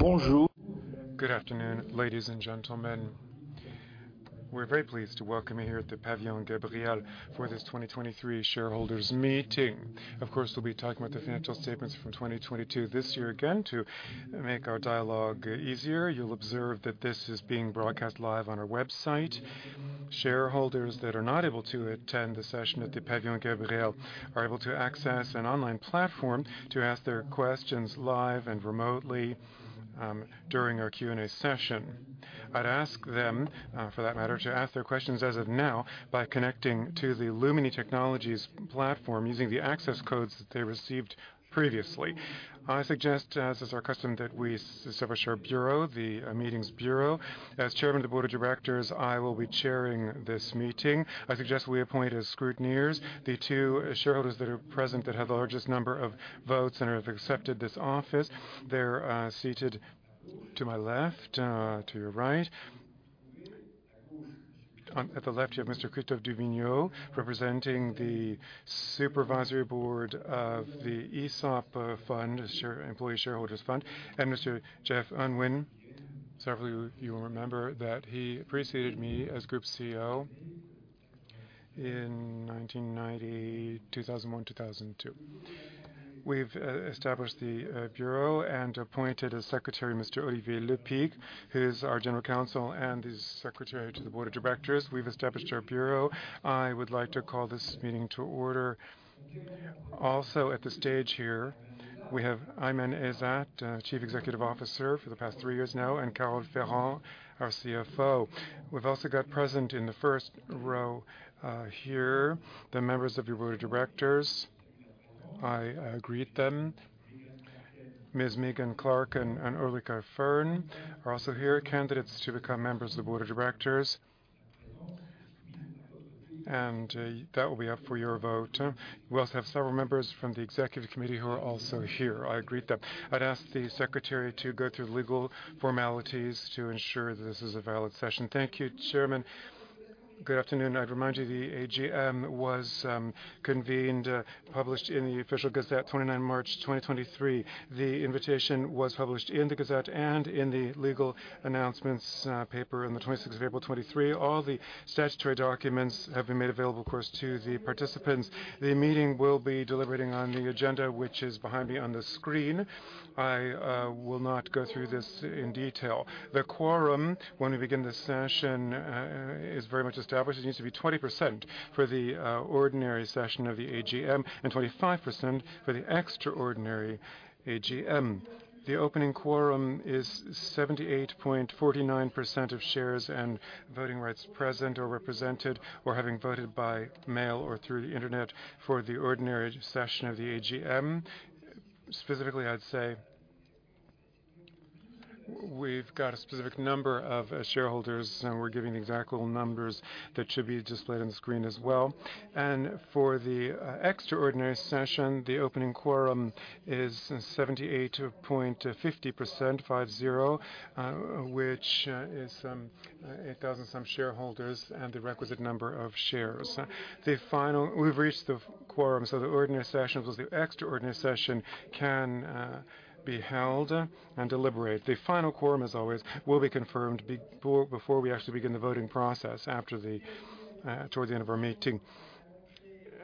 Bonjour. Good afternoon, ladies and gentlemen. We're very pleased to welcome you here at the Pavillon Gabriel for this 2023 shareholders meeting. Of course, we'll be talking about the financial statements from 2022 this year again to make our dialogue easier. You'll observe that this is being broadcast live on our website. Shareholders that are not able to attend the session at the Pavillon Gabriel are able to access an online platform to ask their questions live and remotely during our Q&A session. I'd ask them for that matter, to ask their questions as of now by connecting to the Lumi Technologies platform using the access codes that they received previously. I suggest, as is our custom, that we establish our bureau, the meetings bureau. As Chairman of the Board of Directors, I will be chairing this meeting. I suggest we appoint as scrutineers the two shareholders that are present that have the largest number of votes and have accepted this office. They're seated to my left, to your right. At the left, you have Mr. Christophe Merveilleux du Vignaux, representing the supervisory board of the ESOP fund, Employee Shareholders Fund, and Mr. Geoff Unwin. Several of you will remember that he preceded me as Group CEO in 2001, 2002. We've established the bureau and appointed as Secretary Mr. Olivier Lepick, who's our General Counsel and is Secretary to the Board of Directors. We've established our bureau. I would like to call this meeting to order. Also at the stage here we have Aiman Ezzat, Chief Executive Officer for the past 3 years now, and Carole Ferrand, our CFO. We've also got present in the first row, here, the members of your board of directors. I greet them. Ms. Megan Clarken and Ulrica Fearn are also here, candidates to become members of the board of directors. That will be up for your vote. We also have several members from the executive committee who are also here. I greet them. I'd ask the secretary to go through legal formalities to ensure that this is a valid session. Thank you, Chairman. Good afternoon. I'd remind you the AGM was convened, published in the Official Gazette 29 March 2023. The invitation was published in the Gazette and in the legal announcements paper on the 26th of April 2023. All the statutory documents have been made available of course to the participants. The meeting will be deliberating on the agenda, which is behind me on the screen. I will not go through this in detail. The quorum when we begin the session is very much established. It needs to be 20% for the ordinary session of the AGM and 25% for the extraordinary AGM. The opening quorum is 78.49% of shares and voting rights present or represented or having voted by mail or through the Internet for the ordinary session of the AGM. Specifically, I'd say we've got a specific number of shareholders, and we're giving the exact whole numbers that should be displayed on the screen as well. For the extraordinary session, the opening quorum is 78.50%, which is 8,000 some shareholders and the requisite number of shares. We've reached the quorum, so the ordinary sessions as the extraordinary session can be held and deliberate. The final quorum, as always, will be confirmed before we actually begin the voting process after the towards the end of our meeting.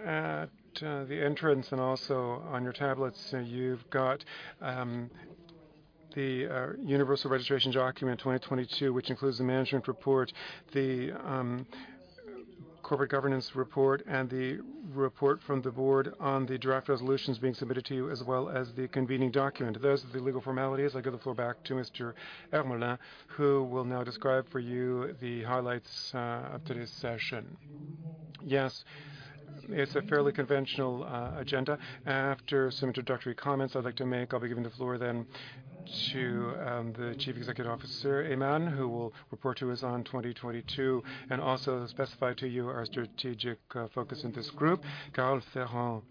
At the entrance and also on your tablets, you've got the Universal Registration Document 2022, which includes the management report, the corporate governance report, and the report from the board on the draft resolutions being submitted to you as well as the convening document. Those are the legal formalities. I give the floor back to Mr. Hermelin, who will now describe for you the highlights of today's session. Yes. It's a fairly conventional agenda. After some introductory comments I'd like to make, I'll be giving the floor then to Chief Executive Officer Aiman Ezzat, who will report to us on 2022 and also specify to you our strategic focus in this group. Carole Ferrand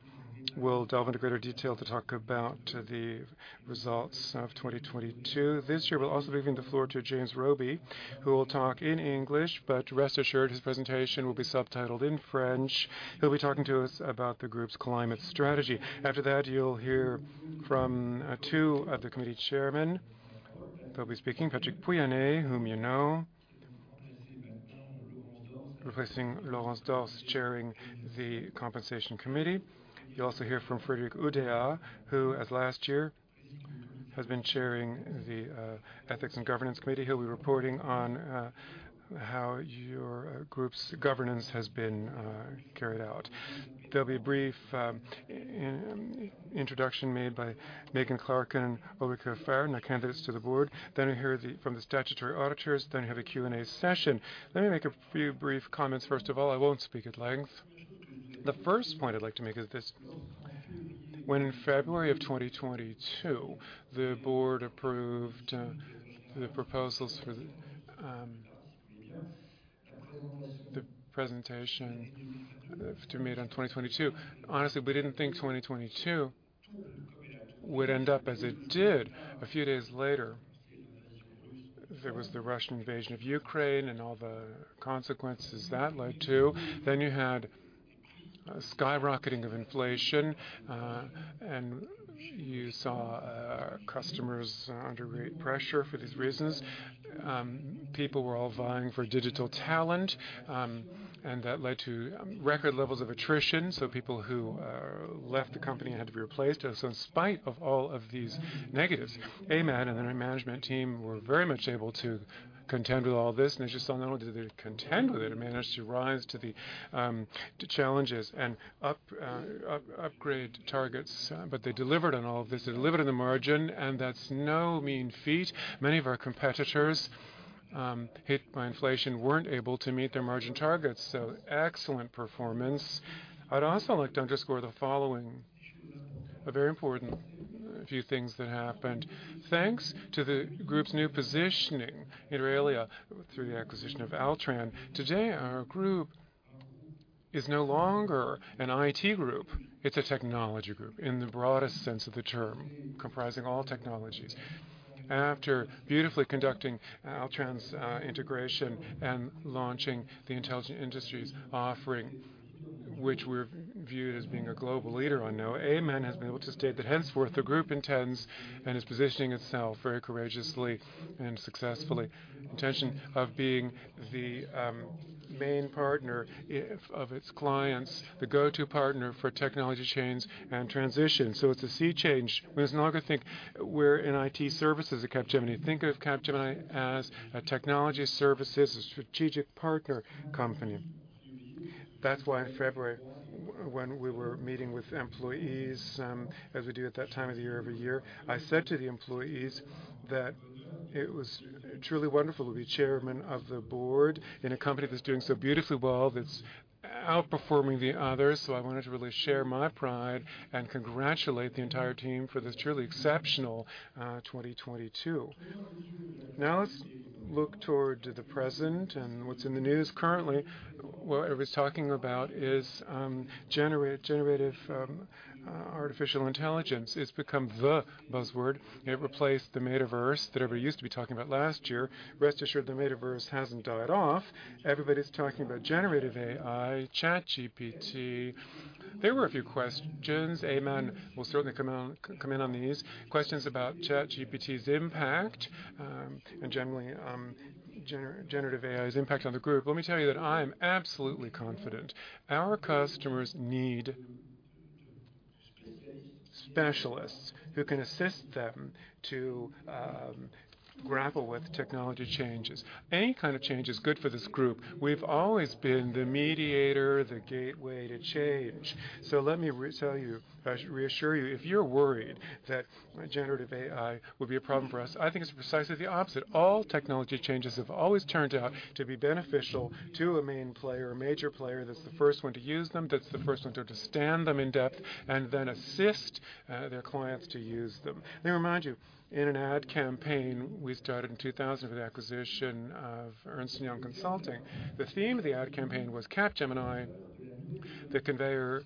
will delve into greater detail to talk about the results of 2022. This year, we'll also be giving the floor to James Robey, who will talk in English, but rest assured his presentation will be subtitled in French. He'll be talking to us about the group's climate strategy. After that, you'll hear from 2 of the committee chairmen. They'll be speaking, Patrick Pouyanné, whom you know, replacing Laurence Dors, chairing the Compensation Committee. You'll also hear from Frédéric Oudéa, who, as last year, has been chairing the Ethics and Governance Committee. He'll be reporting on how your group's governance has been carried out. There'll be a brief introduction made by Megan Clarken and Ulrica Fearn, our candidates to the board. You'll hear from the statutory auditors, then have a Q&A session. Let me make a few brief comments first of all. I won't speak at length. The first point I'd like to make is this: When in February of 2022, the board approved the proposals for the presentation to be made on 2022. Honestly, we didn't think 2022 would end up as it did a few days later. There was the Russian invasion of Ukraine and all the consequences that led to. You had skyrocketing of inflation, and you saw customers under great pressure for these reasons. People were all vying for digital talent, and that led to record levels of attrition. People who left the company had to be replaced. In spite of all of these negatives, Aiman Ezzat and the management team were very much able to contend with all this. It's just not only did they contend with it, they managed to rise to the challenges and upgrade targets. They delivered on all of this. They delivered on the margin, and that's no mean feat. Many of our competitors, hit by inflation weren't able to meet their margin targets. Excellent performance. I'd also like to underscore the following, a very important few things that happened. Thanks to the group's new positioning, inter alia, through the acquisition of Altran. Today, our group is no longer an IT group, it's a technology group in the broadest sense of the term, comprising all technologies. After beautifully conducting Altran's integration and launching the Intelligent Industry offering, which we're viewed as being a global leader on now, Ayman has been able to state that henceforth, the group intends and is positioning itself very courageously and successfully. Intention of being the main partner of its clients, the go-to partner for technology chains and transitions. It's a sea change. One is not gonna think we're an IT services at Capgemini. Think of Capgemini as a technology services, a strategic partner company. That's why in February, when we were meeting with employees, as we do at that time of the year every year, I said to the employees that it was truly wonderful to be chairman of the board in a company that's doing so beautifully well, that's outperforming the others. I wanted to really share my pride and congratulate the entire team for this truly exceptional 2022. Let's look toward the present and what's in the news currently. What everybody's talking about is generative artificial intelligence. It's become the buzzword. It replaced the Metaverse that everybody used to be talking about last year. Rest assured, the Metaverse hasn't died off. Everybody's talking about generative AI, ChatGPT. There were a few questions. Ayman will certainly come on, come in on these. Questions about ChatGPT's impact, and generally, generative AI's impact on the group. Let me tell you that I am absolutely confident. Our customers need specialists who can assist them to grapple with technology changes. Any kind of change is good for this group. We've always been the mediator, the gateway to change. Let me re-tell you, reassure you, if you're worried that generative AI will be a problem for us, I think it's precisely the opposite. All technology changes have always turned out to be beneficial to a main player, a major player that's the first one to use them, that's the first one to understand them in depth and then assist their clients to use them. Let me remind you, in an ad campaign we started in 2000 with the acquisition of Ernst & Young Consulting. The theme of the ad campaign was Capgemini, the conveyor,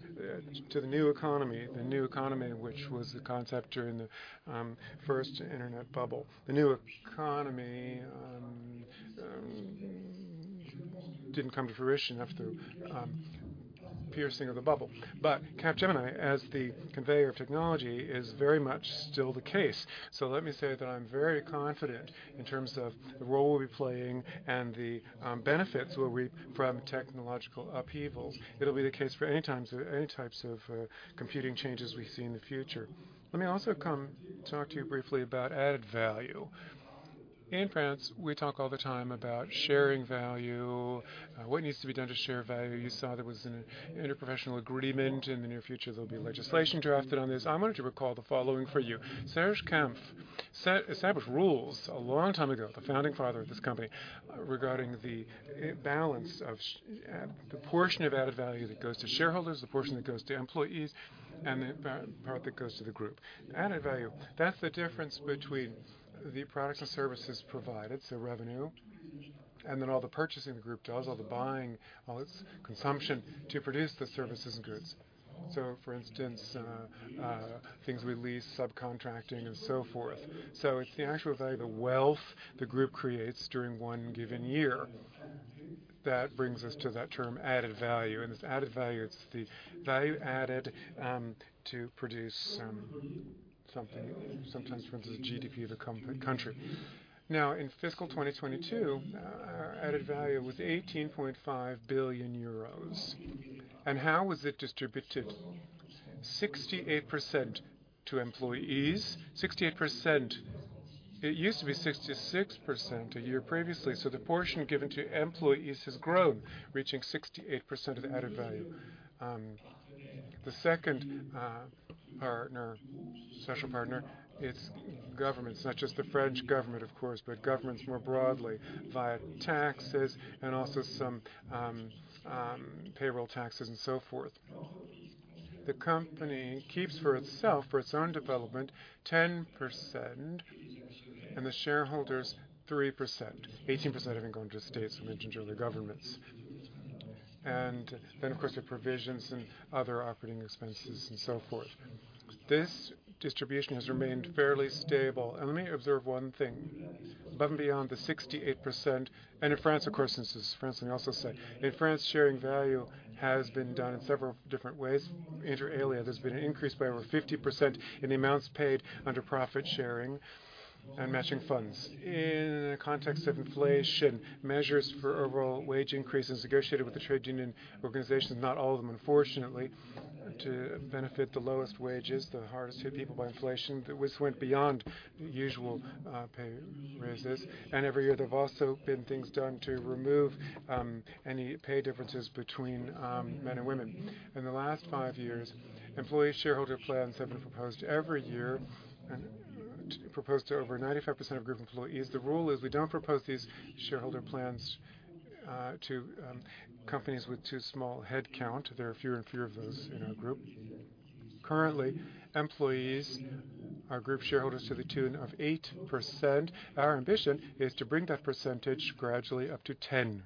to the new economy. The new economy, which was the concept during the first internet bubble. The new economy didn't come to fruition after piercing of the bubble. Capgemini, as the conveyor of technology, is very much still the case. Let me say that I'm very confident in terms of the role we'll be playing and the benefits from technological upheavals. It'll be the case for any types of computing changes we see in the future. Let me also come talk to you briefly about added value. In France, we talk all the time about sharing value, what needs to be done to share value. You saw there was an interprofessional agreement. In the near future, there'll be legislation drafted on this. I wanted to recall the following for you. Serge Kampf established rules a long time ago, the founding father of this company, regarding the balance of the portion of added value that goes to shareholders, the portion that goes to employees, and the part that goes to the group. Added value, that's the difference between the products and services provided, so revenue, all the purchasing the group does, all the buying, all its consumption to produce the services and goods. For instance, things we lease, subcontracting and so forth. It's the actual value, the wealth the group creates during one given year. That brings us to that term, added value. This added value, it's the value added to produce something, sometimes for instance, the GDP of the country. In fiscal 2022, our added value was 18.5 billion euros. How was it distributed? 68% to employees. It used to be 66% a year previously. The portion given to employees has grown, reaching 68% of the added value. The second partner, social partner, it's governments, not just the French government, of course, but governments more broadly via taxes and also some payroll taxes and so forth. The company keeps for itself, for its own development, 10%, and the shareholders 3%. 18% having gone to the states, I mentioned earlier, governments. Of course, the provisions and other operating expenses and so forth. This distribution has remained fairly stable. Let me observe one thing. Above and beyond the 68%, and in France, of course, this is France, let me also say. In France, sharing value has been done in several different ways. Inter alia, there's been an increase by over 50% in the amounts paid under profit sharing and matching funds. In the context of inflation, measures for overall wage increases negotiated with the trade union organizations, not all of them, unfortunately, to benefit the lowest wages, the hardest hit people by inflation. This went beyond usual pay raises. Every year, there have also been things done to remove any pay differences between men and women. In the last five years, employee shareholder plans have been proposed every year and proposed to over 95% of group employees. The rule is we don't propose these shareholder plans to companies with too small headcount. There are fewer and fewer of those in our group. Currently, employees are group shareholders to the tune of 8%. Our ambition is to bring that percentage gradually up to 10%.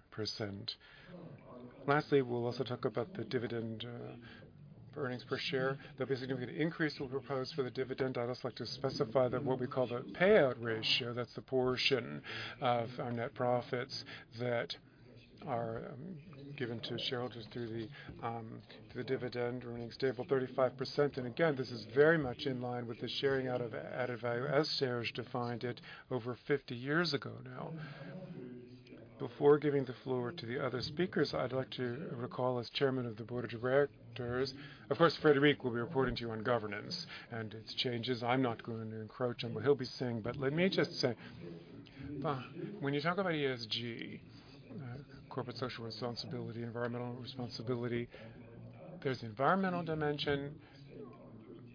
Lastly, we'll also talk about the dividend, earnings per share. There'll basically be an increase we'll propose for the dividend. I'd also like to specify that what we call the payout ratio, that's the portion of our net profits that are given to shareholders through the, through the dividend remaining stable, 35%. Again, this is very much in line with the sharing out of added value as Serge defined it over 50 years ago now. Before giving the floor to the other speakers, I'd like to recall, as chairman of the board of directors. Of course, Frédéric will be reporting to you on governance and its changes. I'm not going to encroach on what he'll be saying, but let me just say, when you talk about ESG, corporate social responsibility, environmental responsibility, there's an environmental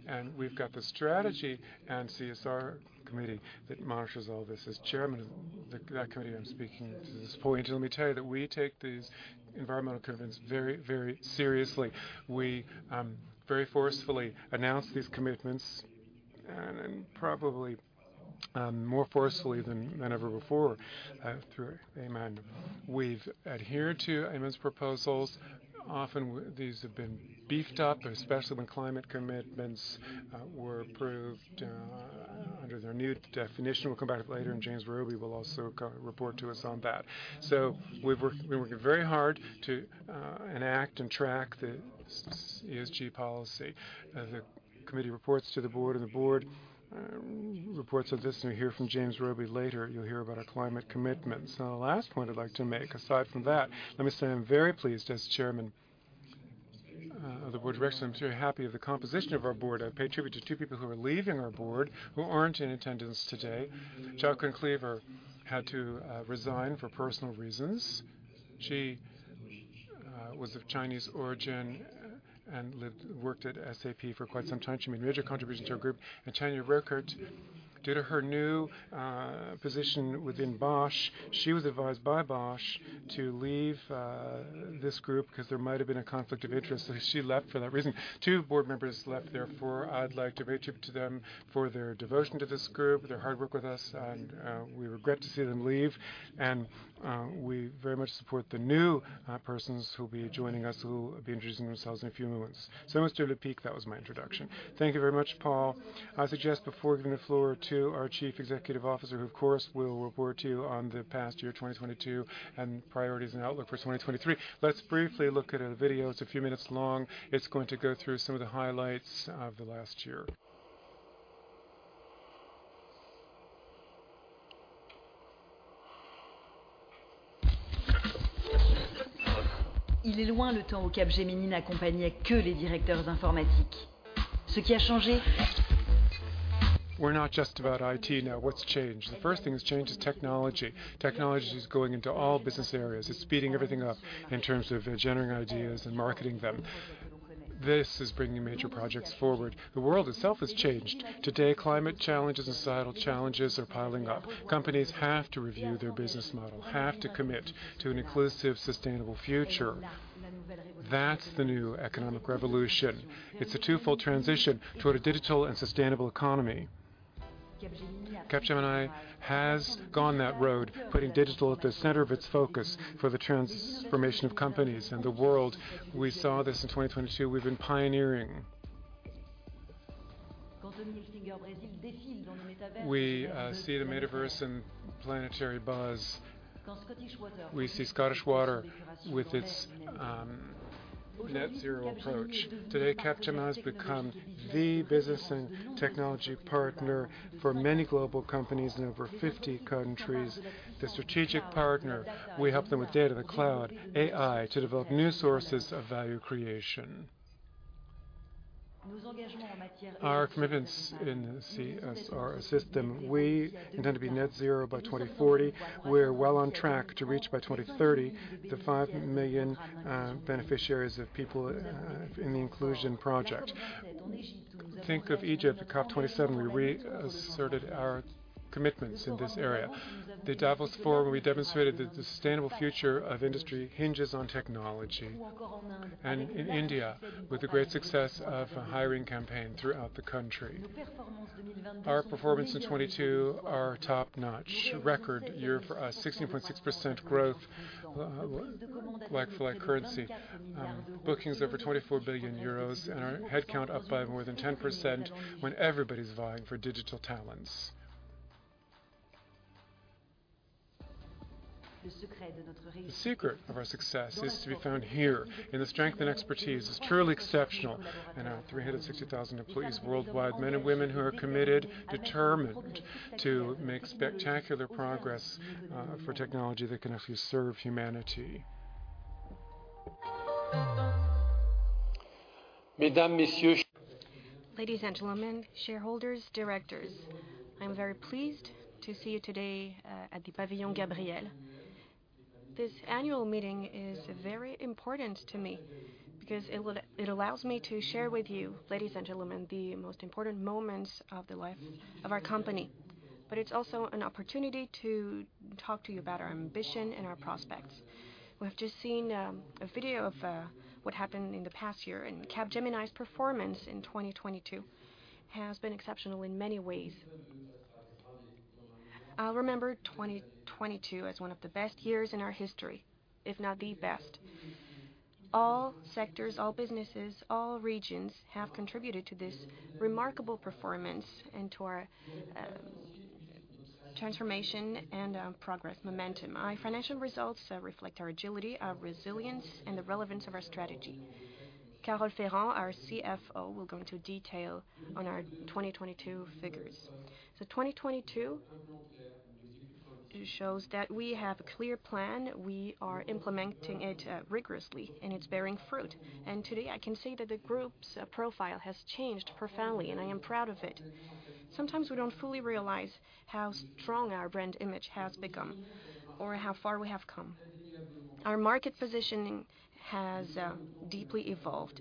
dimension, and we've got the Strategy and CSR Committee that monitors all this. As chairman of that committee, I'm speaking to this point. Let me tell you that we take these environmental commitments very, very seriously. We very forcefully announce these commitments, and probably more forcefully than ever before, through Ayman. We've adhered to Ayman's proposals. Often these have been beefed up, especially when climate commitments were approved under their new definition. We'll come back later, and James Robey will also report to us on that. We've worked, we're working very hard to enact and track the ESG policy. The committee reports to the board, and the board reports on this. You'll hear from James Robey later. You'll hear about our climate commitments. The last point I'd like to make, aside from that, let me say I'm very pleased as Chairman of the Board of Directors, I'm very happy of the composition of our board. I pay tribute to two people who are leaving our board, who aren't in attendance today. Zhao Kun Klever had to resign for personal reasons. She was of Chinese origin and lived, worked at SAP for quite some time. She made a major contribution to our group. Tanja Rueckert, due to her new position within Bosch, she was advised by Bosch to leave this group because there might have been a conflict of interest, so she left for that reason. Two board members left. Therefore, I'd like to pay tribute to them for their devotion to this group, their hard work with us, and we regret to see them leave. We very much support the new persons who'll be joining us, who will be introducing themselves in a few moments. Mr. Lepick, that was my introduction. Thank you very much, Paul. I suggest before giving the floor to our Chief Executive Officer, who of course, will report to you on the past year, 2022, and priorities and outlook for 2023. Let's briefly look at a video. It's a few minutes long. It's going to go through some of the highlights of the last year. We're not just about IT now. What's changed? The first thing that's changed is technology. Technology is going into all business areas. It's speeding everything up in terms of generating ideas and marketing them. This is bringing major projects forward. The world itself has changed. Today, climate challenges and societal challenges are piling up. Companies have to review their business model, have to commit to an inclusive, sustainable future. That's the new economic revolution. It's a twofold transition toward a digital and sustainable economy. Capgemini has gone that road, putting digital at the center of its focus for the transformation of companies and the world. We saw this in 2022. We've been pioneering. We see the Metaverse and planetary buzz. We see Scottish Water with its net zero approach. Today, Capgemini has become the business and technology partner for many global companies in over 50 countries. The strategic partner, we help them with data, the cloud, AI, to develop new sources of value creation. Our commitments in the CSR system, we intend to be net zero by 2040. We're well on track to reach by 2030, the 5 million beneficiaries of people in the inclusion project. Think of Egypt at COP27, we reasserted our commitments in this area. The Davos Forum, we demonstrated that the sustainable future of industry hinges on technology. In India, with the great success of a hiring campaign throughout the country. Our performance in 22 are top-notch. Record year for us, 16.6% growth, like-for-like currency. Bookings over 24 billion euros, and our headcount up by more than 10% when everybody's vying for digital talents. The secret of our success is to be found here in the strength and expertise that's truly exceptional in our 360,000 employees worldwide, men and women who are committed, determined to make spectacular progress, for technology that can actually serve humanity. Ladies and gentlemen, shareholders, directors, I'm very pleased to see you today at the Pavillon Gabriel. This annual meeting is very important to me because it allows me to share with you, ladies and gentlemen, the most important moments of the life of our company. It's also an opportunity to talk to you about our ambition and our prospects. We have just seen a video of what happened in the past year. Capgemini's performance in 2022 has been exceptional in many ways. I'll remember 2022 as one of the best years in our history, if not the best. All sectors, all businesses, all regions have contributed to this remarkable performance and to our transformation and progress momentum. Our financial results reflect our agility, our resilience, and the relevance of our strategy. Carole Ferrand, our CFO, will go into detail on our 2022 figures. 2022 shows that we have a clear plan. We are implementing it rigorously, and it's bearing fruit. Today, I can say that the group's profile has changed profoundly, and I am proud of it. Sometimes we don't fully realize how strong our brand image has become or how far we have come. Our market positioning has deeply evolved.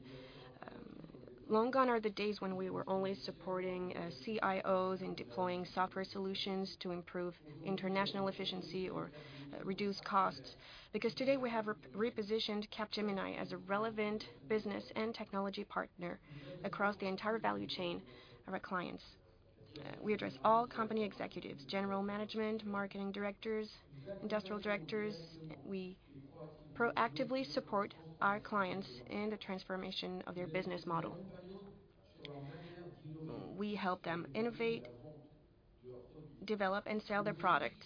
Long gone are the days when we were only supporting CIOs in deploying software solutions to improve international efficiency or reduce costs. Because today, we have repositioned Capgemini as a relevant business and technology partner across the entire value chain of our clients. We address all company executives, general management, marketing directors, industrial directors. We proactively support our clients in the transformation of their business model. We help them innovate, develop, and sell their product.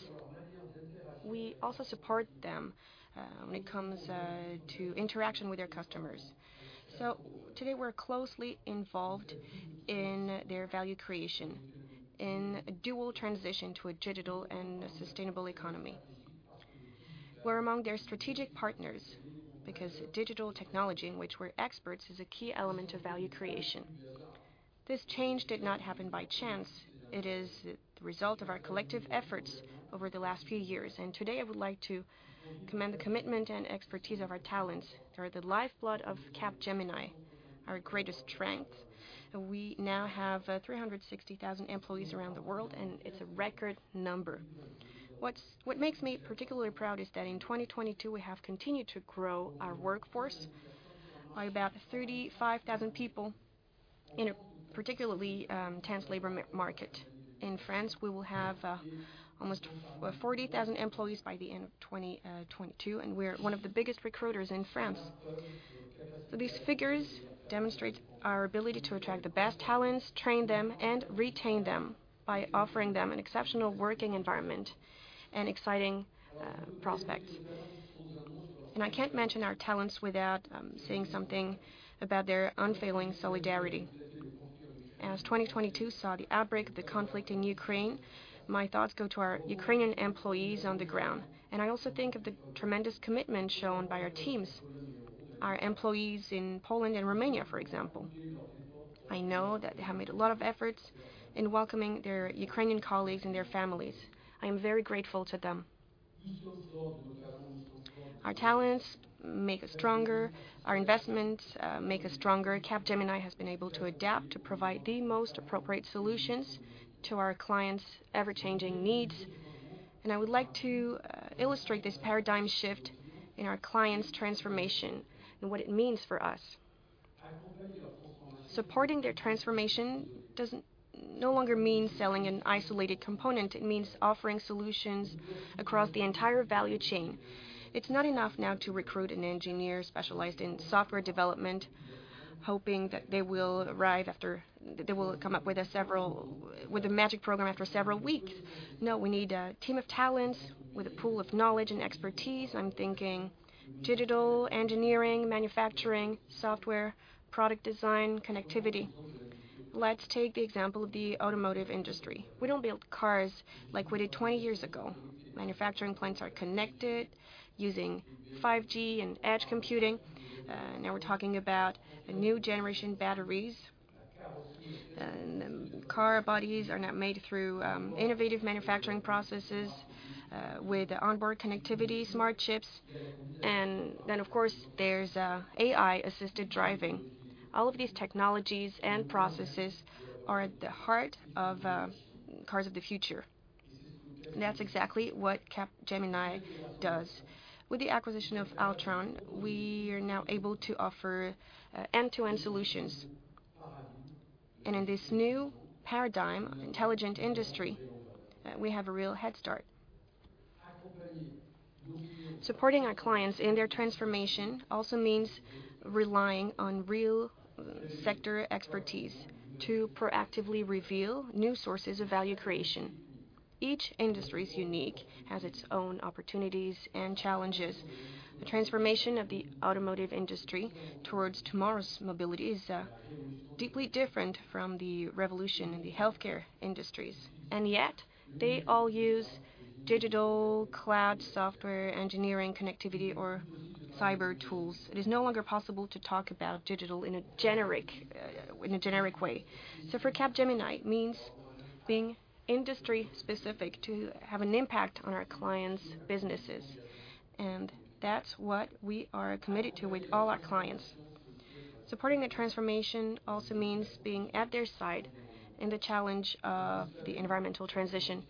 We also support them, when it comes to interaction with their customers. Today, we're closely involved in their value creation in a dual transition to a digital and a sustainable economy. We're among their strategic partners because digital technology, in which we're experts, is a key element of value creation. This change did not happen by chance. It is the result of our collective efforts over the last few years. Today, I would like to commend the commitment and expertise of our talent. They are the lifeblood of Capgemini, our greatest strength. We now have 360,000 employees around the world, it's a record number. What makes me particularly proud is that in 2022, we have continued to grow our workforce by about 35,000 people in a particularly tense labor market. In France, we will have almost 40,000 employees by the end of 2022, and we're one of the biggest recruiters in France. These figures demonstrate our ability to attract the best talents, train them, and retain them by offering them an exceptional working environment and exciting prospects. I can't mention our talents without saying something about their unfailing solidarity. As 2022 saw the outbreak of the conflict in Ukraine, my thoughts go to our Ukrainian employees on the ground. I also think of the tremendous commitment shown by our teams, our employees in Poland and Romania, for example. I know that they have made a lot of efforts in welcoming their Ukrainian colleagues and their families. I am very grateful to them. Our talents make us stronger. Our investments make us stronger. Capgemini has been able to adapt to provide the most appropriate solutions to our clients' ever-changing needs. I would like to illustrate this paradigm shift in our clients' transformation and what it means for us. Supporting their transformation doesn't no longer mean selling an isolated component. It means offering solutions across the entire value chain. It's not enough now to recruit an engineer specialized in software development, hoping that they will come up with a magic program after several weeks. No, we need a team of talents with a pool of knowledge and expertise. I'm thinking digital engineering, manufacturing, software, product design, connectivity. Let's take the example of the automotive industry. We don't build cars like we did 20 years ago. Manufacturing plants are connected using 5G and edge computing. Now we're talking about the new generation batteries. Car bodies are now made through innovative manufacturing processes, with onboard connectivity, smart chips. Of course, there's AI-assisted driving. All of these technologies and processes are at the heart of cars of the future. That's exactly what Capgemini does. With the acquisition of Altran, we are now able to offer end-to-end solutions. In this new paradigm of Intelligent Industry, we have a real head start. Supporting our clients in their transformation also means relying on real sector expertise to proactively reveal new sources of value creation. Each industry is unique, has its own opportunities and challenges. The transformation of the automotive industry towards tomorrow's mobility is deeply different from the revolution in the healthcare industries. Yet they all use digital cloud software, engineering, connectivity, or cyber tools. It is no longer possible to talk about digital in a generic way. For Capgemini, it means being industry-specific to have an impact on our clients' businesses, and that's what we are committed to with all our clients. Supporting the transformation also means being at their side in the challenge of the environmental transition.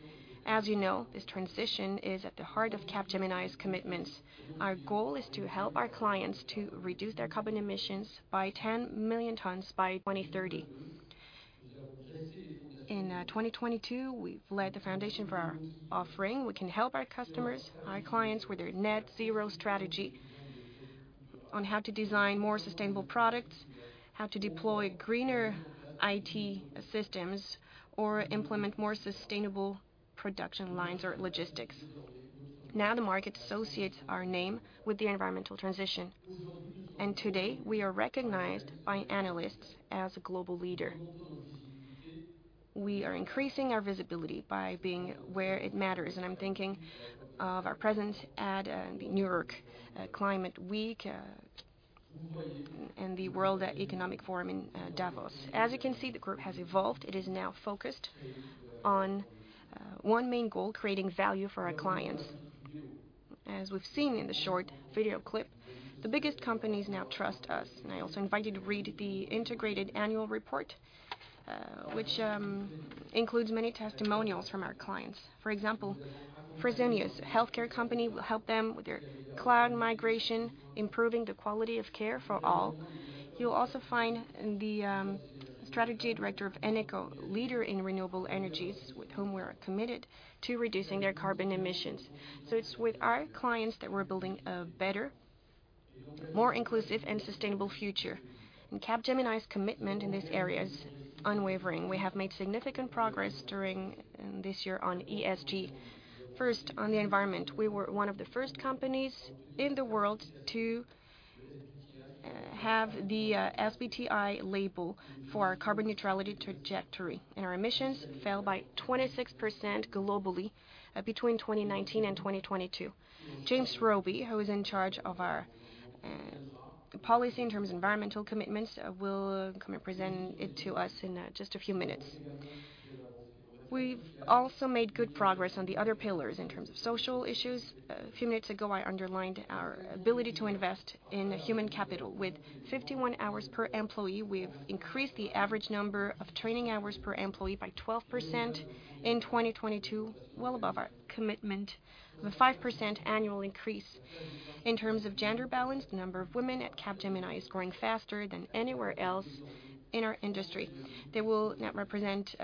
As you know, this transition is at the heart of Capgemini's commitments. Our goal is to help our clients to reduce their carbon emissions by 10 million tons by 2030. In 2022, we've laid the foundation for our offering. We can help our customers, our clients, with their net zero strategy on how to design more sustainable products, how to deploy greener IT systems, or implement more sustainable production lines or logistics. Now, the market associates our name with the environmental transition, and today we are recognized by analysts as a global leader. We are increasing our visibility by being where it matters, and I'm thinking of our presence at the New York Climate Week and the World Economic Forum in Davos. As you can see, the group has evolved. It is now focused on one main goal: creating value for our clients. As we've seen in the short video clip, the biggest companies now trust us. I also invite you to read the integrated annual report, which includes many testimonials from our clients. For example, Fresenius, a healthcare company. We help them with their cloud migration, improving the quality of care for all. You'll also find the strategy director of Eneco, leader in renewable energies, with whom we are committed to reducing their carbon emissions. It's with our clients that we're building a better, more inclusive and sustainable future. Capgemini's commitment in this area is unwavering. We have made significant progress during this year on ESG. First, on the environment. We were one of the first companies in the world to have the SBTi label for our carbon neutrality trajectory, and our emissions fell by 26% globally between 2019 and 2022. James Robey, who is in charge of our policy in terms of environmental commitments, will come and present it to us in just a few minutes. We've also made good progress on the other pillars in terms of social issues. A few minutes ago, I underlined our ability to invest in human capital. With 51 hours per employee, we've increased the average number of training hours per employee by 12% in 2022, well above our commitment of a 5% annual increase. In terms of gender balance, the number of women at Capgemini is growing faster than anywhere else in our industry. They will now represent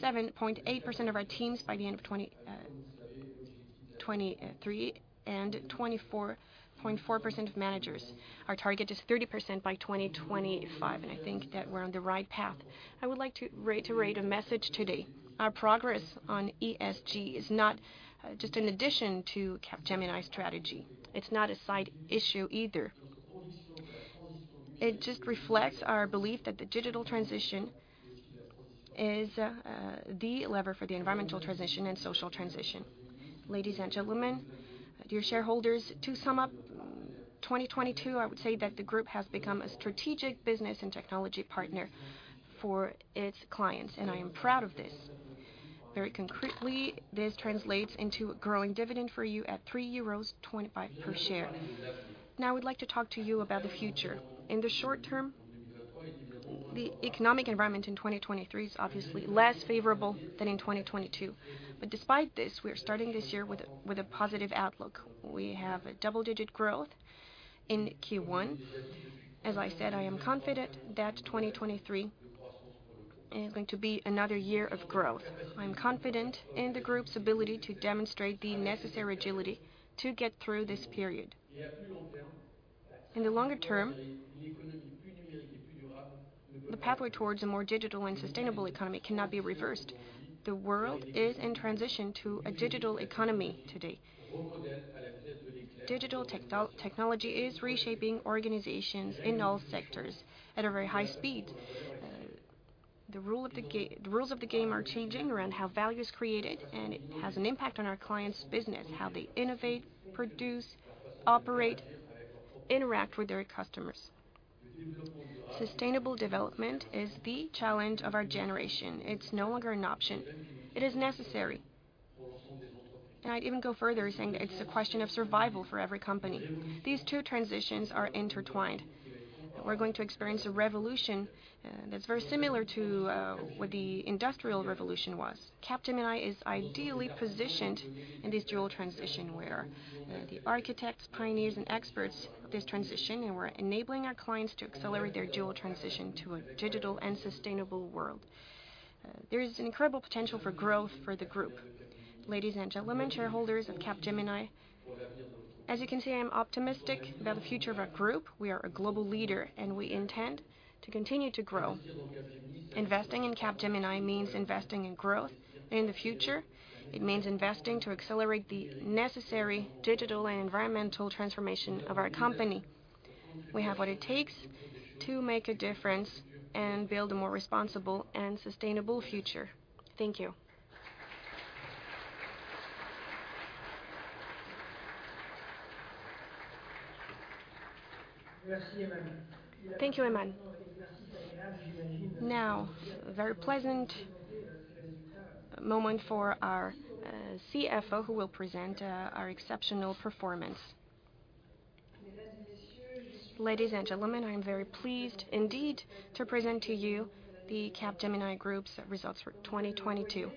37.8% of our teams by the end of 2023, and 24.4% of managers. Our target is 30% by 2025, and I think that we're on the right path. I would like to reiterate a message today. Our progress on ESG is not just an addition to Capgemini's strategy. It's not a side issue either. It just reflects our belief that the digital transition is the lever for the environmental transition and social transition. Ladies and gentlemen, dear shareholders, to sum up 2022, I would say that the group has become a strategic business and technology partner for its clients, and I am proud of this. Very concretely, this translates into a growing dividend for you at 3.25 euros per share. I would like to talk to you about the future. In the short term, the economic environment in 2023 is obviously less favorable than in 2022. Despite this, we are starting this year with a positive outlook. We have a double-digit growth in Q1. As I said, I am confident that 2023 is going to be another year of growth. I'm confident in the group's ability to demonstrate the necessary agility to get through this period. In the longer term, the pathway towards a more digital and sustainable economy cannot be reversed. The world is in transition to a digital economy today. Digital technology is reshaping organizations in all sectors at a very high speed. The rules of the game are changing around how value is created. It has an impact on our clients' business, how they innovate, produce, operate, interact with their customers. Sustainable development is the challenge of our generation. It's no longer an option. It is necessary. I'd even go further in saying that it's a question of survival for every company. These two transitions are intertwined. We're going to experience a revolution that's very similar to what the Industrial Revolution was. Capgemini is ideally positioned in this dual transition. We're the architects, pioneers and experts of this transition, and we're enabling our clients to accelerate their dual transition to a digital and sustainable world. There is an incredible potential for growth for the group. Ladies and gentlemen, shareholders of Capgemini. As you can see, I am optimistic about the future of our group. We are a global leader, and we intend to continue to grow. Investing in Capgemini means investing in growth in the future. It means investing to accelerate the necessary digital and environmental transformation of our company. We have what it takes to make a difference and build a more responsible and sustainable future. Thank you. Thank you, Aiman. Now, a very pleasant moment for our CFO, who will present our exceptional performance. Ladies and gentlemen, I am very pleased indeed to present to you the Capgemini Group's results for 2022.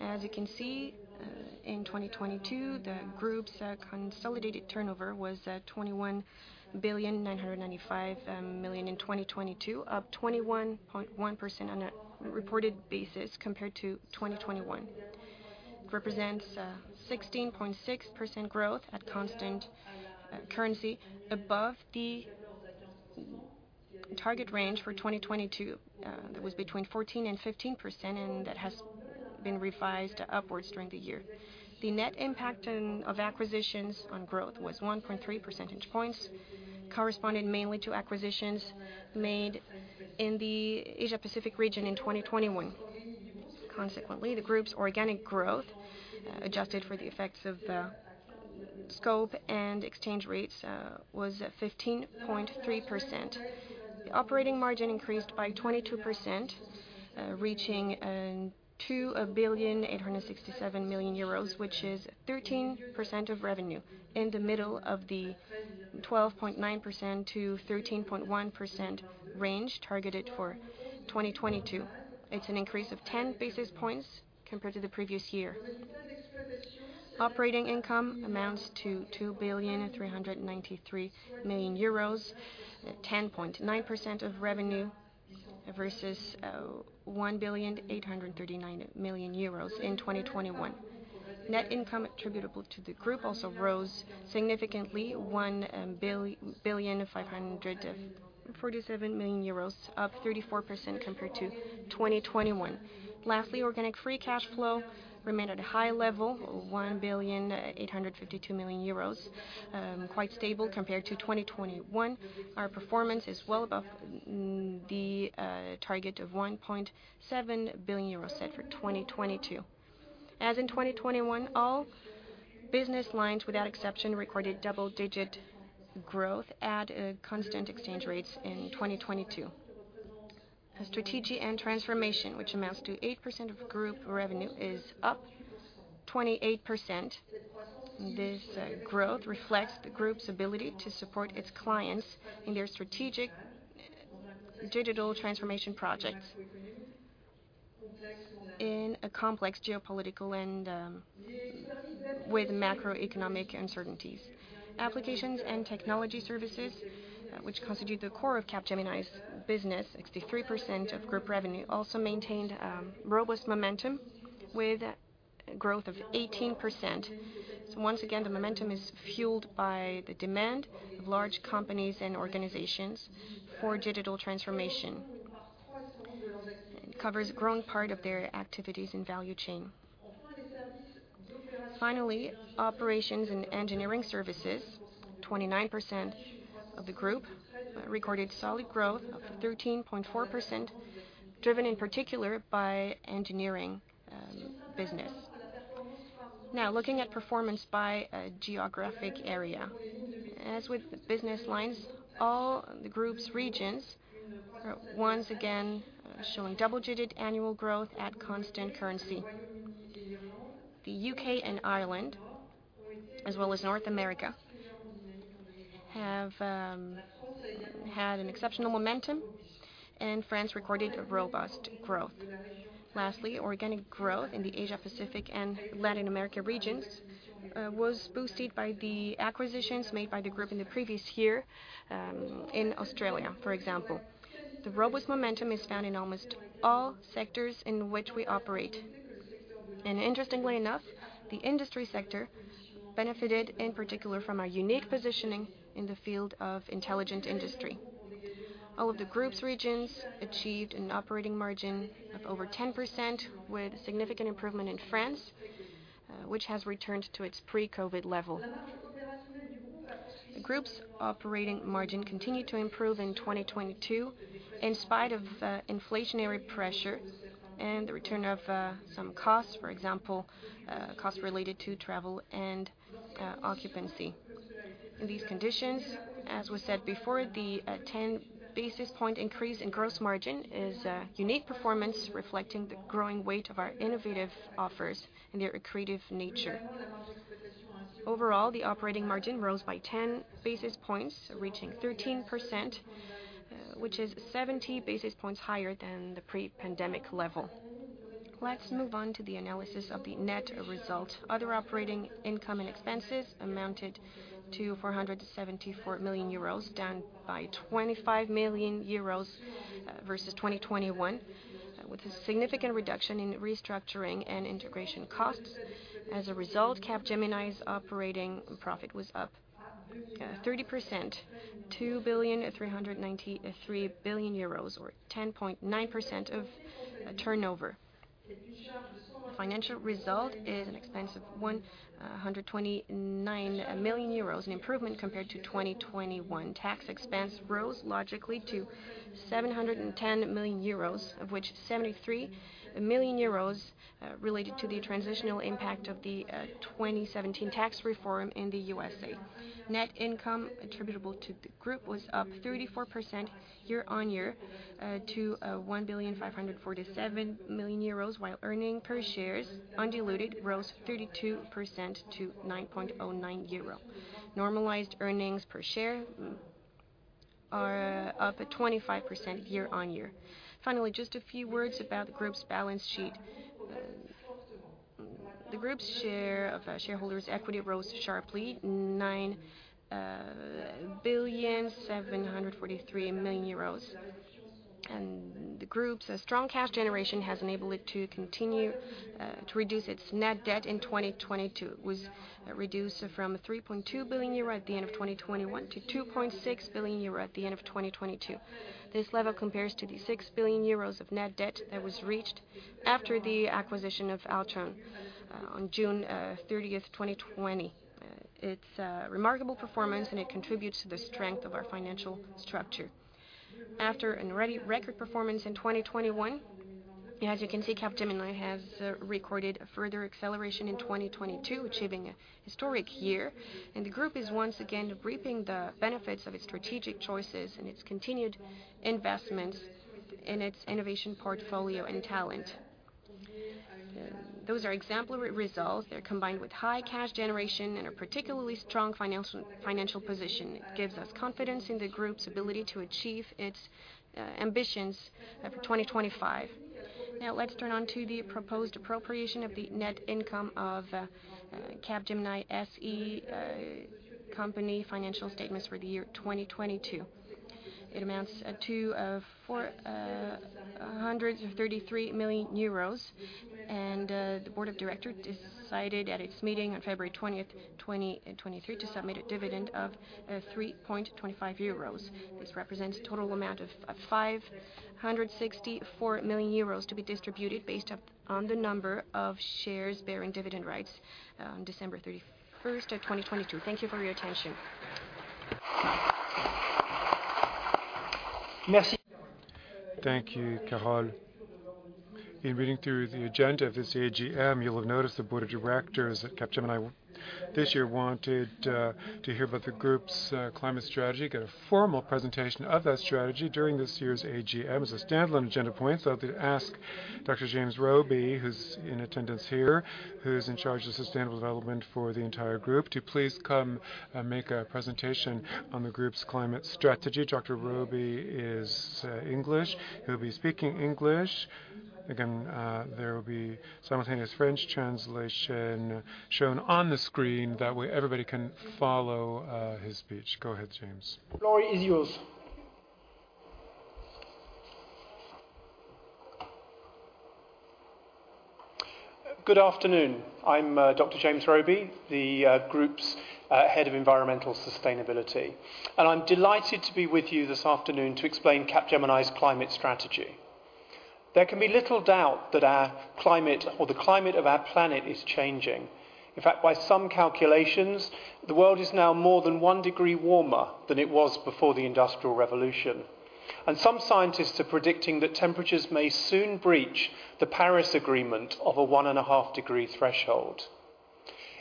As you can see, in 2022, the group's consolidated turnover was 21,995 million in 2022, up 21.1% on a reported basis compared to 2021. Represents 16.6% growth at constant currency above the target range for 2022. That was between 14%-15%, and that has been revised upwards during the year. The net impact of acquisitions on growth was 1.3% points, corresponding mainly to acquisitions made in the Asia-Pacific region in 2021. Consequently, the group's organic growth, adjusted for the effects of scope and exchange rates, was 15.3%. The operating margin increased by 22%, reaching 1,867 million euros, which is 13% of revenue, in the middle of the 12.9%-13.1% range targeted for 2022. It's an increase of 10 basis points compared to the previous year. Operating income amounts to 2,393 million euros, at 10.9% of revenue, versus 1,839 million euros in 2021. Net income attributable to the group also rose significantly, 1,547 million euros, up 34% compared to 2021. Lastly, organic free cashflow remained at a high level, 1,852 million euros. Quite stable compared to 2021. Our performance is well above the target of 1.7 billion euros set for 2022. As in 2021, all business lines, without exception, recorded double-digit growth at constant exchange rates in 2022. Strategy and transformation, which amounts to 8% of group revenue, is up 28%. This growth reflects the group's ability to support its clients in their strategic digital transformation projects in a complex geopolitical and with macroeconomic uncertainties. Applications and technology services, which constitute the core of Capgemini's business, 63% of group revenue, also maintained robust momentum with growth of 18%. Once again, the momentum is fueled by the demand of large companies and organizations for digital transformation. It covers a growing part of their activities and value chain. Finally, operations and engineering services, 29% of the group, recorded solid growth of 13.4%, driven in particular by engineering business. Now looking at performance by a geographic area. As with the business lines, all the group's regions are once again showing double-digit annual growth at constant currency. The U.K. and Ireland, as well as North America, have had an exceptional momentum, and France recorded robust growth. Lastly, organic growth in the Asia-Pacific and Latin America regions was boosted by the acquisitions made by the group in the previous year, in Australia, for example. The robust momentum is found in almost all sectors in which we operate. Interestingly enough, the industry sector benefited in particular from our unique positioning in the field of Intelligent Industry. All of the group's regions achieved an operating margin of over 10%, with significant improvement in France, which has returned to its pre-COVID level. The group's operating margin continued to improve in 2022, in spite of inflationary pressure and the return of some costs, for example, costs related to travel and occupancy. In these conditions, as we said before, the 10 basis point increase in gross margin is a unique performance reflecting the growing weight of our innovative offers and their accretive nature. Overall, the operating margin rose by 10 basis points, reaching 13%, which is 70 basis points higher than the pre-pandemic level. Let's move on to the analysis of the net result. Other operating income and expenses amounted to 474 million euros, down by 25 million euros versus 2021. With a significant reduction in restructuring and integration costs. As a result, Capgemini's operating profit was up 30%, 395 billion, or 10.9% of turnover. The financial result is an expense of 129 million euros, an improvement compared to 2021. Tax expense rose logically to 710 million euros, of which 73 million euros related to the transitional impact of the 2017 tax reform in the USA. Net income attributable to the group was up 34% year-on-year to 1,547 million euros, while earning per shares undiluted rose 32% to 9.09 euro. Normalized earnings per share are up 25% year-on-year. Finally, just a few words about the group's balance sheet. The group's share of shareholders' equity rose sharply, 9 billion 743 million. The group's strong cash generation has enabled it to continue to reduce its net debt in 2022. It was reduced from 3.2 billion euro at the end of 2021 to 2.6 billion euro at the end of 2022. This level compares to the 6 billion euros of net debt that was reached after the acquisition of Altran on June 30th, 2020. It's a remarkable performance, and it contributes to the strength of our financial structure. After a re-record performance in 2021, as you can see, Capgemini has recorded a further acceleration in 2022, achieving a historic year. The group is once again reaping the benefits of its strategic choices and its continued investments in its innovation portfolio and talent. Those are exemplary results. They're combined with high cash generation and a particularly strong financial position. It gives us confidence in the group's ability to achieve its ambitions for 2025. Now, let's turn on to the proposed appropriation of the net income of Capgemini SE company financial statements for the year 2022. It amounts to 433 million euros. The board of directors decided at its meeting on February 20th, 2023 to submit a dividend of 3.25 euros. This represents a total amount of, 564 million euros to be distributed based up on the number of shares bearing dividend rights on December 31 2022. Thank you for your attention. Thank you, Carole. In reading through the agenda of this AGM, you'll have noticed the board of directors at Capgemini this year wanted to hear about the group's climate strategy, get a formal presentation of that strategy during this year's AGM as a standalone agenda point. To ask Dr. James Robey, who's in attendance here, who's in charge of sustainable development for the entire group, to please come and make a presentation on the group's climate strategy. Dr. Robey is English. He'll be speaking English. Again, there will be simultaneous French translation shown on the screen. That way, everybody can follow his speech. Go ahead, James. Floor is yours. Good afternoon. I'm Dr. James Robey, the group's Head of Environmental Sustainability. I'm delighted to be with you this afternoon to explain Capgemini's climate strategy. There can be little doubt that our climate or the climate of our planet is changing. In fact, by some calculations, the world is now more than one degree warmer than it was before the Industrial Revolution. Some scientists are predicting that temperatures may soon breach the Paris Agreement of a one and a half degree threshold.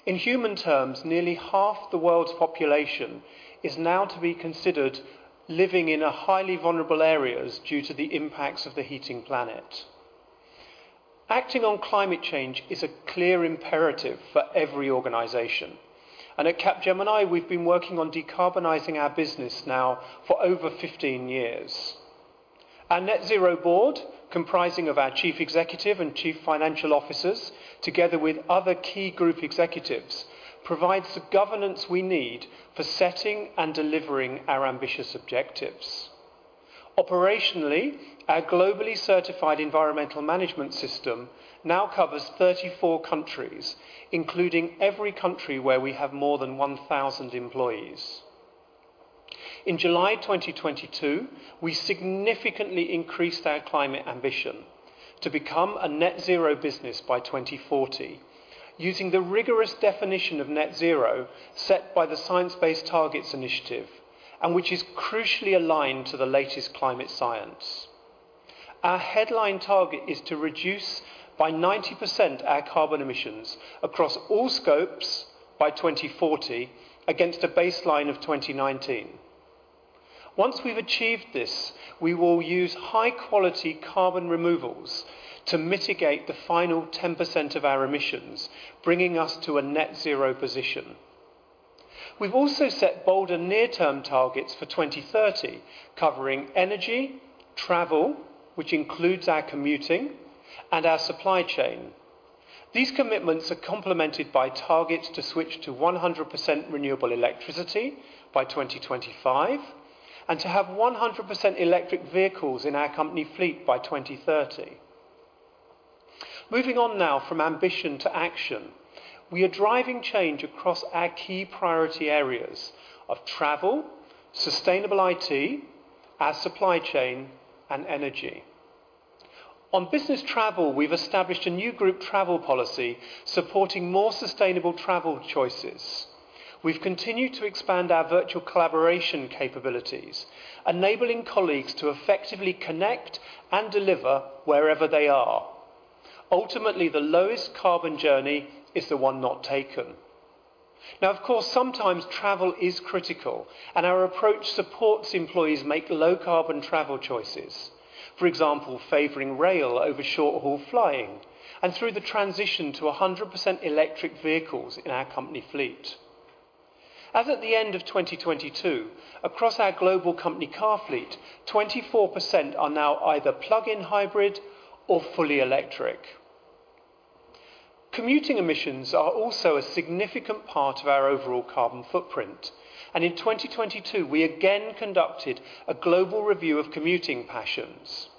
In human terms, nearly half the world's population is now to be considered living in a highly vulnerable areas due to the impacts of the heating planet. Acting on climate change is a clear imperative for every organization. At Capgemini, we've been working on decarbonizing our business now for over 15 years. Our Net Zero board, comprising of our chief executive and chief financial officers, together with other key group executives, provides the governance we need for setting and delivering our ambitious objectives. Operationally, our globally certified environmental management system now covers 34 countries, including every country where we have more than 1,000 employees. In July 2022, we significantly increased our climate ambition to become a net zero business by 2040, using the rigorous definition of net zero set by the Science Based Targets initiative. Which is crucially aligned to the latest climate science. Our headline target is to reduce by 90% our carbon emissions across all scopes by 2040 against a baseline of 2019. Once we've achieved this, we will use high-quality carbon removals to mitigate the final 10% of our emissions, bringing us to a net zero position. We've also set bolder near-term targets for 2030 covering energy, travel, which includes our commuting and our supply chain. These commitments are complemented by targets to switch to 100% renewable electricity by 2025, and to have 100% electric vehicles in our company fleet by 2030. Moving on now from ambition to action. We are driving change across our key priority areas of travel, sustainable IT, our supply chain, and energy. On business travel, we've established a new group travel policy supporting more sustainable travel choices. We've continued to expand our virtual collaboration capabilities, enabling colleagues to effectively connect and deliver wherever they are. Ultimately, the lowest carbon journey is the one not taken. Of course, sometimes travel is critical, and our approach supports employees make low carbon travel choices. For example, favoring rail over short-haul flying, and through the transition to 100% electric vehicles in our company fleet. As at the end of 2022, across our global company car fleet, 24% are now either plug-in hybrid or fully electric. Commuting emissions are also a significant part of our overall carbon footprint, and in 2022, we again conducted a global review of commuting passions.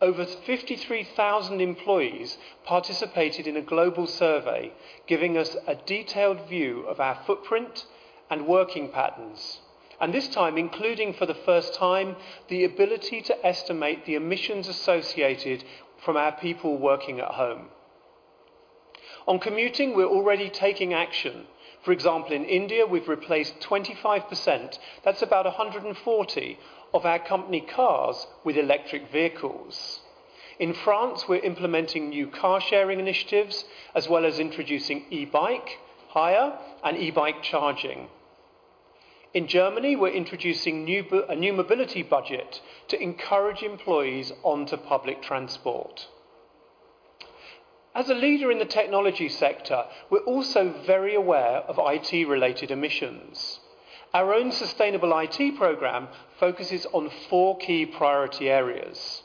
Over 53,000 employees participated in a global survey, giving us a detailed view of our footprint and working patterns, and this time, including for the first time, the ability to estimate the emissions associated from our people working at home. On commuting, we're already taking action. For example, in India, we've replaced 25%, that's about 140 of our company cars with electric vehicles. In France, we're implementing new car-sharing initiatives as well as introducing e-bike hire and e-bike charging. In Germany, we're introducing a new mobility budget to encourage employees onto public transport. As a leader in the technology sector, we're also very aware of IT-related emissions. Our own sustainable IT program focuses on four key priority areas.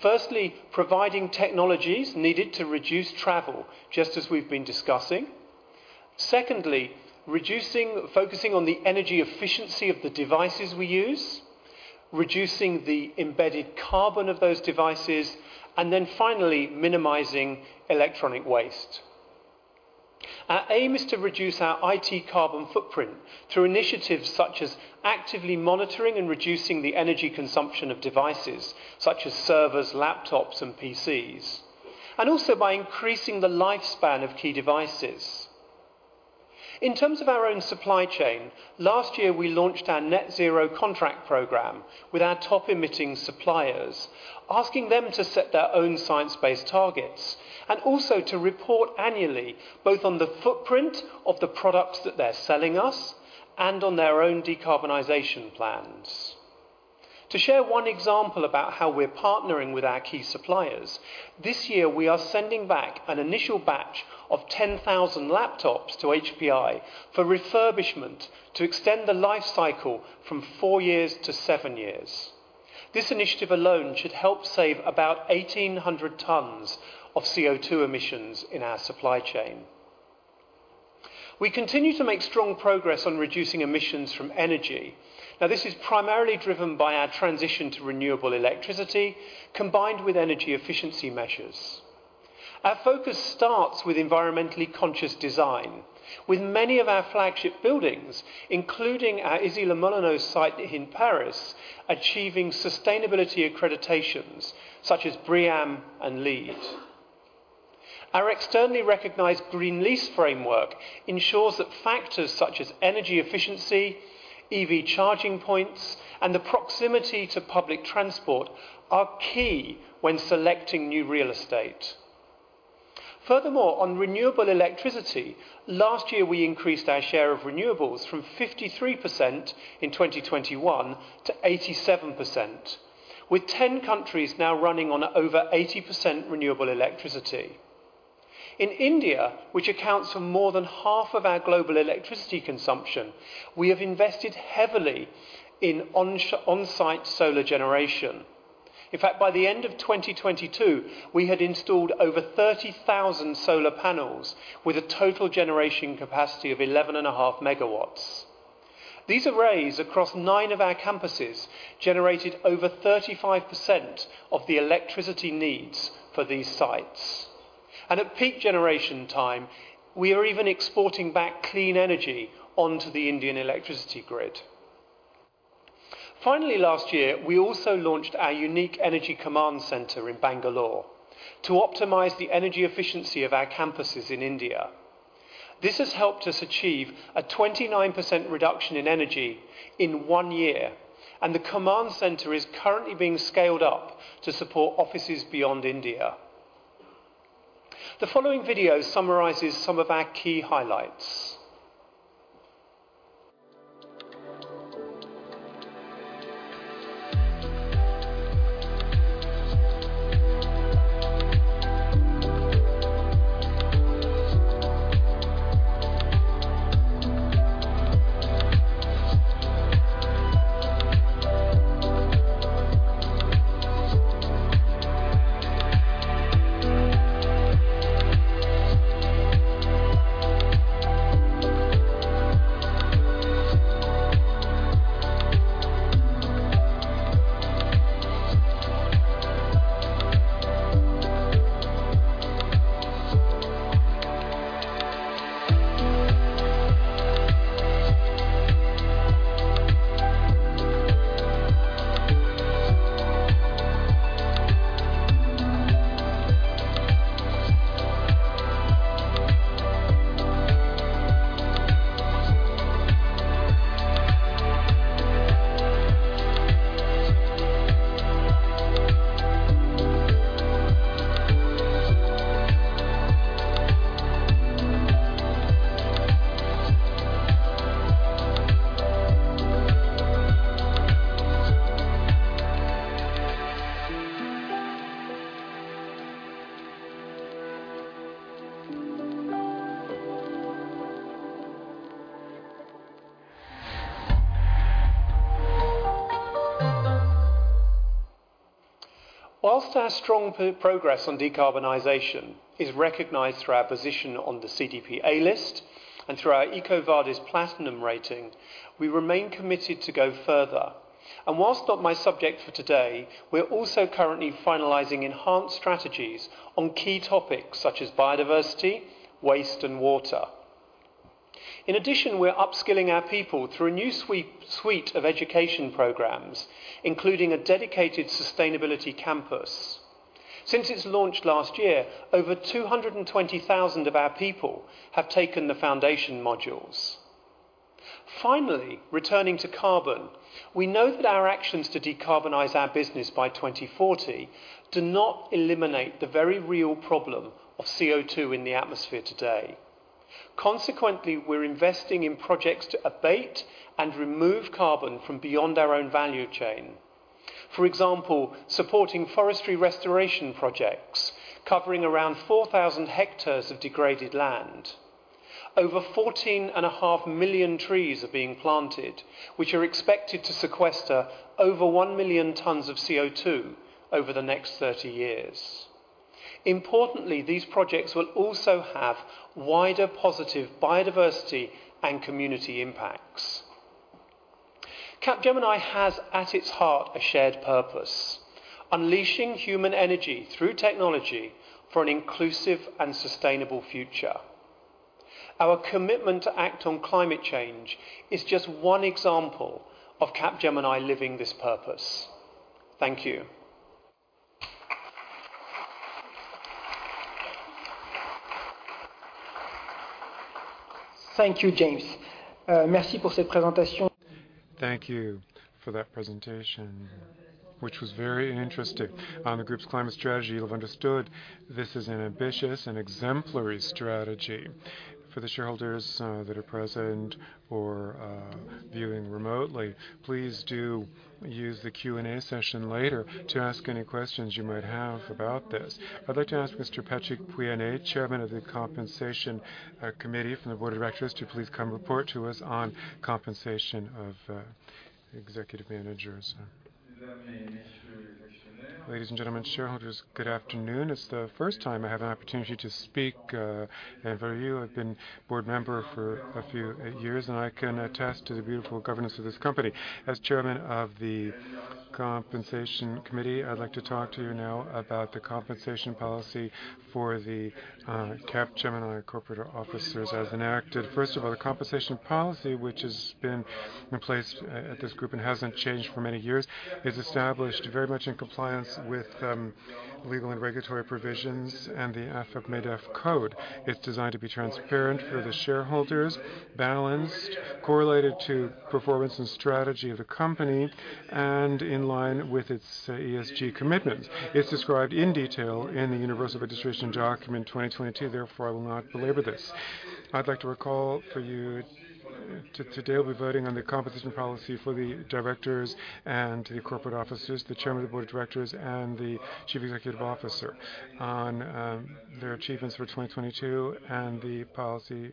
Firstly, providing technologies needed to reduce travel, just as we've been discussing. Secondly, focusing on the energy efficiency of the devices we use, reducing the embedded carbon of those devices, and then finally minimizing electronic waste. Our aim is to reduce our IT carbon footprint through initiatives such as actively monitoring and reducing the energy consumption of devices such as servers, laptops, and PCs, and also by increasing the lifespan of key devices. In terms of our own supply chain, last year we launched our net zero contract program with our top emitting suppliers, asking them to set their own science-based targets, and also to report annually both on the footprint of the products that they're selling us and on their own decarbonization plans. To share one example about how we're partnering with our key suppliers, this year we are sending back an initial batch of 10,000 laptops to HPI for refurbishment to extend the life cycle from four to seven years. This initiative alone should help save about 1,800 tons of CO₂ emissions in our supply chain. We continue to make strong progress on reducing emissions from energy. This is primarily driven by our transition to renewable electricity combined with energy efficiency measures. Our focus starts with environmentally conscious design. Many of our flagship buildings, including our Issy-les-Moulineaux site in Paris, achieving sustainability accreditations such as BREEAM and LEED. Our externally recognized green lease framework ensures that factors such as energy efficiency, EV charging points, and the proximity to public transport are key when selecting new real estate. On renewable electricity, last year we increased our share of renewables from 53% in 2021 to 87%, with 10 countries now running on over 80% renewable electricity. In India, which accounts for more than half of our global electricity consumption, we have invested heavily in on-site solar generation. By the end of 2022, we had installed over 30,000 solar panels with a total generation capacity of 11.5 megawatts. These arrays across nine of our campuses generated over 35% of the electricity needs for these sites. At peak generation time, we are even exporting back clean energy onto the Indian electricity grid. Finally, last year, we also launched our unique Energy Command Center in Bangalore to optimize the energy efficiency of our campuses in India. This has helped us achieve a 29% reduction in energy in one year, and the command center is currently being scaled up to support offices beyond India. The following video summarizes some of our key highlights. Whilst our strong pro-progress on decarbonization is recognized through our position on the CDP A List and through our EcoVadis platinum rating, we remain committed to go further. Whilst not my subject for today, we're also currently finalizing enhanced strategies on key topics such as biodiversity, waste, and water. In addition, we're upskilling our people through a new suite of education programs, including a dedicated Sustainability Campus. Since its launch last year, over 220,000 of our people have taken the foundation modules. Returning to carbon. We know that our actions to decarbonize our business by 2040 do not eliminate the very real problem of CO₂ in the atmosphere today. We're investing in projects to abate and remove carbon from beyond our own value chain. For example, supporting forestry restoration projects covering around 4,000 hectares of degraded land. Over fourteen and a half million trees are being planted, which are expected to sequester over 1 million tons of CO₂ over the next 30 years. These projects will also have wider positive biodiversity and community impacts. Capgemini has, at its heart, a shared purpose: unleashing human energy through technology for an inclusive and sustainable future. Our commitment to act on climate change is just one example of Capgemini living this purpose. Thank you. Thank you, James. Merci pour cette presentation. Thank you for that presentation, which was very interesting. On the group's climate strategy, you'll have understood this is an ambitious and exemplary strategy. For the shareholders that are present or viewing remotely, please do use the Q&A session later to ask any questions you might have about this. I'd like to ask Mr. Patrick Pouyanné, Chairman of the Compensation Committee from the Board of Directors, to please come report to us on compensation of executive managers. Ladies and gentlemen, shareholders, good afternoon. It's the first time I have an opportunity to speak in front of you. I've been board member for a few years, and I can attest to the beautiful governance of this company. As Chairman of the Compensation Committee, I'd like to talk to you now about the compensation policy for the Capgemini corporate officers as enacted. The compensation policy, which has been in place at this group and hasn't changed for many years, is established very much in compliance with legal and regulatory provisions and the AFEP-MEDEF code. It's designed to be transparent for the shareholders, balanced, correlated to performance and strategy of the company, and in line with its ESG commitment. It's described in detail in the Universal Registration Document 2022. I will not belabor this. I'd like to recall for you to today will be voting on the compensation policy for the directors and the corporate officers, the Chairman of the Board of Directors and the Chief Executive Officer on their achievements for 2022 and the policy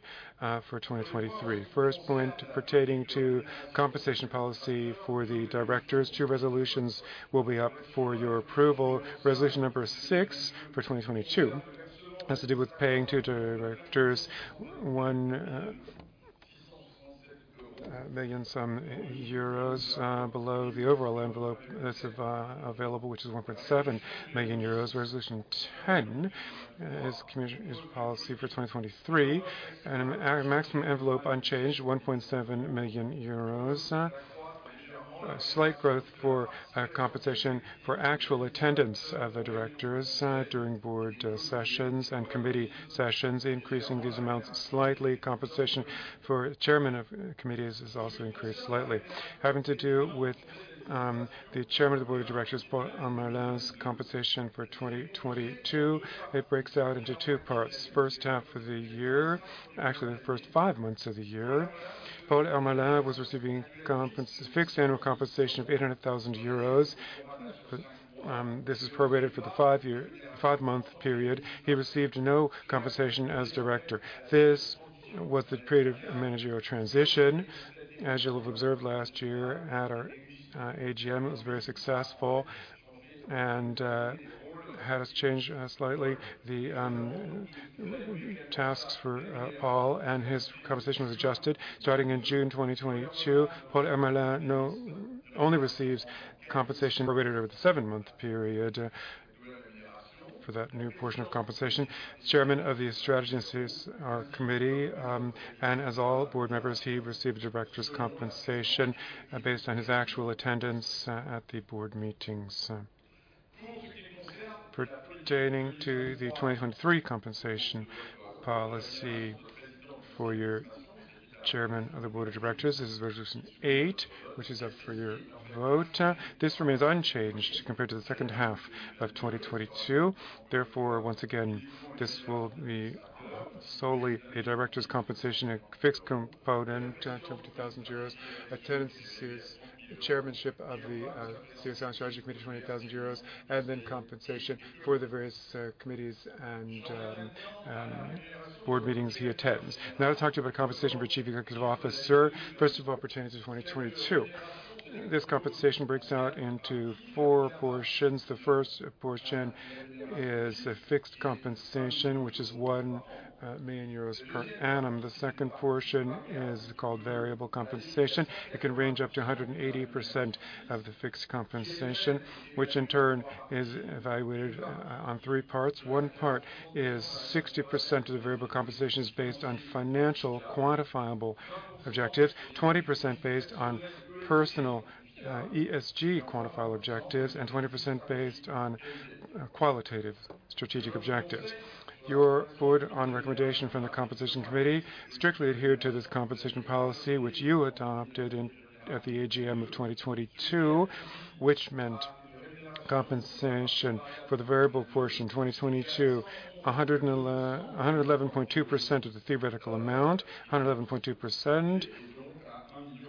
for 2023. First point pertaining to compensation policy for the directors. Two resolutions will be up for your approval. Resolution number 6 for 2022 has to do with paying two directors 1 million some euros below the overall envelope that's available, which is 1.7 million euros. Resolution 10 is commission policy for 2023 and maximum envelope unchanged, 1.7 million euros. A slight growth for compensation for actual attendance of the directors during board sessions and committee sessions, increasing these amounts slightly. Compensation for chairman of committees is also increased slightly. Having to do with the Chairman of the Board of Directors, Paul Hermelin's compensation for 2022, it breaks out into two parts. First half of the year, actually the first five months of the year, Paul Hermelin was receiving fixed annual compensation of 800,000 euros. This is prorated for the five-year, five-month period. He received no compensation as director. This was the period of managerial transition. As you'll have observed last year at our AGM, it was very successful and has changed slightly the tasks for Paul, and his compensation was adjusted starting in June 2022. Paul Hermelin now only receives compensation prorated over the 7-month period for that new portion of compensation. He's Chairman of the Strategy and CSR Committee, and as all board members, he receives a director's compensation based on his actual attendance at the board meetings. Pertaining to the 2023 compensation policy for your Chairman of the Board of Directors, this is Resolution 8, which is up for your vote. This remains unchanged compared to the second half of 2022. Once again, this will be solely a director's compensation, a fixed component, 22,000 euros. Attendance to his chairmanship of the CSR Strategy Committee, 28,000 euros, and then compensation for the various committees and board meetings he attends. Now to talk to you about compensation for Chief Executive Officer. First of all, pertaining to 2022. This compensation breaks out into four portions. The first portion is a fixed compensation, which is 1 million euros per annum. The second portion is called variable compensation. It can range up to 180% of the fixed compensation, which in turn is evaluated on three parts. One part is 60% of the variable compensation is based on financial quantifiable objectives, 20% based on personal ESG quantifiable objectives, and 20% based on qualitative strategic objectives. Your board, on recommendation from the Compensation Committee, strictly adhered to this compensation policy, which you adopted in... at the AGM of 2022, which meant compensation for the variable portion 2022, 111.2% of the theoretical amount. 111.2%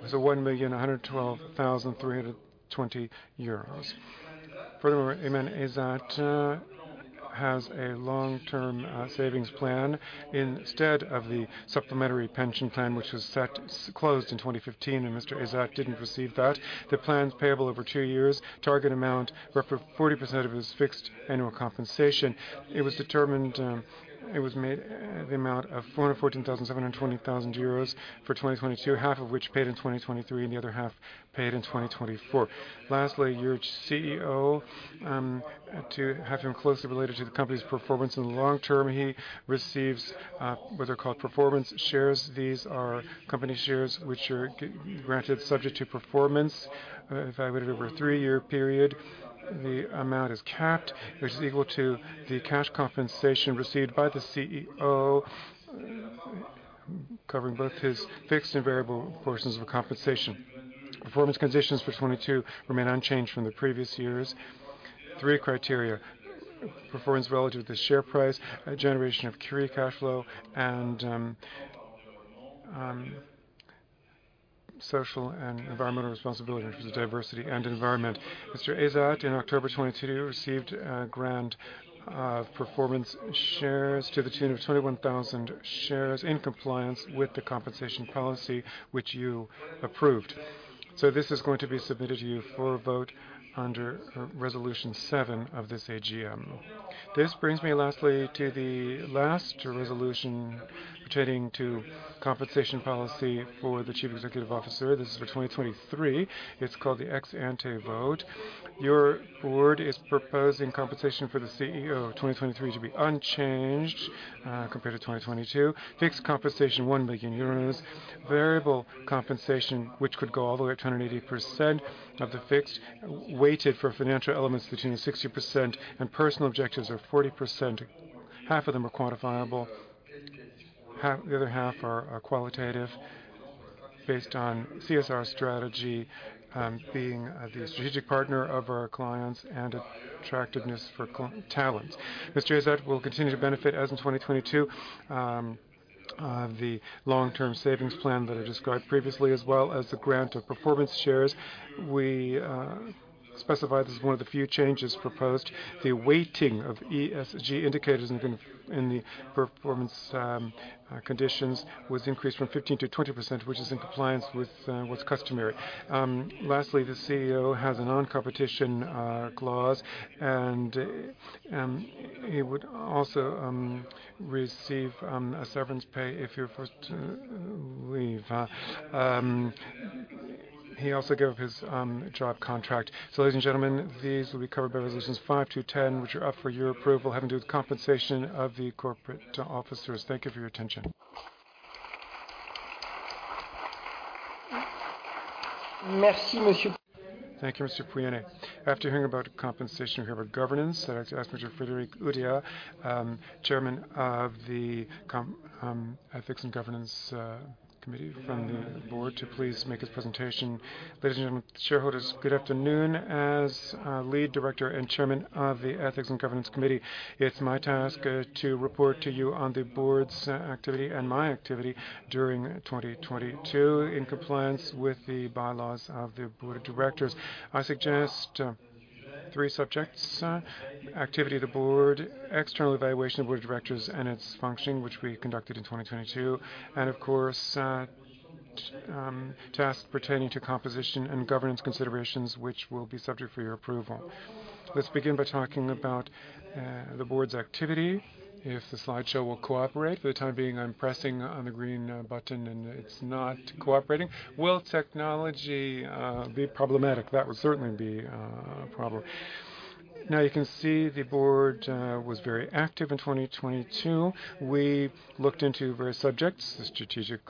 is EUR 1,112,320. Furthermore, Aiman Ezzat has a long-term savings plan instead of the supplementary pension plan which was set closed in 2015, and Mr. Ezzat didn't receive that. The plan's payable over two years. Target amount, roughly 40% of his fixed annual compensation. It was determined It was made the amount of 414,720,000 euros for 2022, half of which paid in 2023 and the other half paid in 2024. Lastly, your CEO, to have him closely related to the company's performance in the long term, he receives what are called performance shares. These are company shares which are granted subject to performance, evaluated over a three-year period. The amount is capped, which is equal to the cash compensation received by the CEO, covering both his fixed and variable portions of compensation. Performance conditions for 2022 remain unchanged from the previous years. Three criteria: performance relative to share price, generation of carry cash flow, and social and environmental responsibility in terms of diversity and environment. Mr. Ezzat, in October 2022, received grant performance shares to the tune of 21,000 shares in compliance with the compensation policy which you approved. This is going to be submitted to you for a vote under Resolution seven of this AGM. This brings me lastly to the last resolution pertaining to compensation policy for the Chief Executive Officer. This is for 2023. It's called the ex-ante vote. Your board is proposing compensation for the CEO of 2023 to be unchanged compared to 2022. Fixed compensation, 1 million euros. Variable compensation, which could go all the way up to 180% of the fixed, weighted for financial elements between 60% and personal objectives of 40%. Half of them are quantifiable, the other half are qualitative based on CSR strategy, being the strategic partner of our clients and attractiveness for talent. Mr. Ezzat will continue to benefit, as in 2022, the long-term savings plan that I described previously, as well as the grant of performance shares. We specified as one of the few changes proposed. The weighting of ESG indicators in the, in the performance conditions was increased from 15 to 20%, which is in compliance with what's customary. Lastly, the CEO has a non-competition clause, and he would also receive a severance pay if he was to leave. He also gave his job contract. Ladies and gentlemen, these will be covered by Resolutions five to ten, which are up for your approval, having to do with compensation of the corporate officers. Thank you for your attention. Thank you, Mr. Pouyanné. After hearing about compensation, we'll hear about governance. I'd like to ask Monsieur Frédéric Oudéa, Chairman of the Ethics and Governance Committee from the board, to please make his presentation. Ladies and gentlemen, shareholders, good afternoon. As lead director and chairman of the Ethics and Governance Committee, it's my task to report to you on the Board's activity and my activity during 2022. In compliance with the bylaws of the Board of Directors, I suggest three subjects, activity of the Board, external evaluation of Board of Directors and its functioning, which we conducted in 2022, and of course, tasks pertaining to composition and governance considerations, which will be subject for your approval. Let's begin by talking about the Board's activity, if the slideshow will cooperate. For the time being, I'm pressing on the green button, and it's not cooperating. Will technology be problematic? That would certainly be a problem. Now, you can see the Board was very active in 2022. We looked into various subjects, the strategic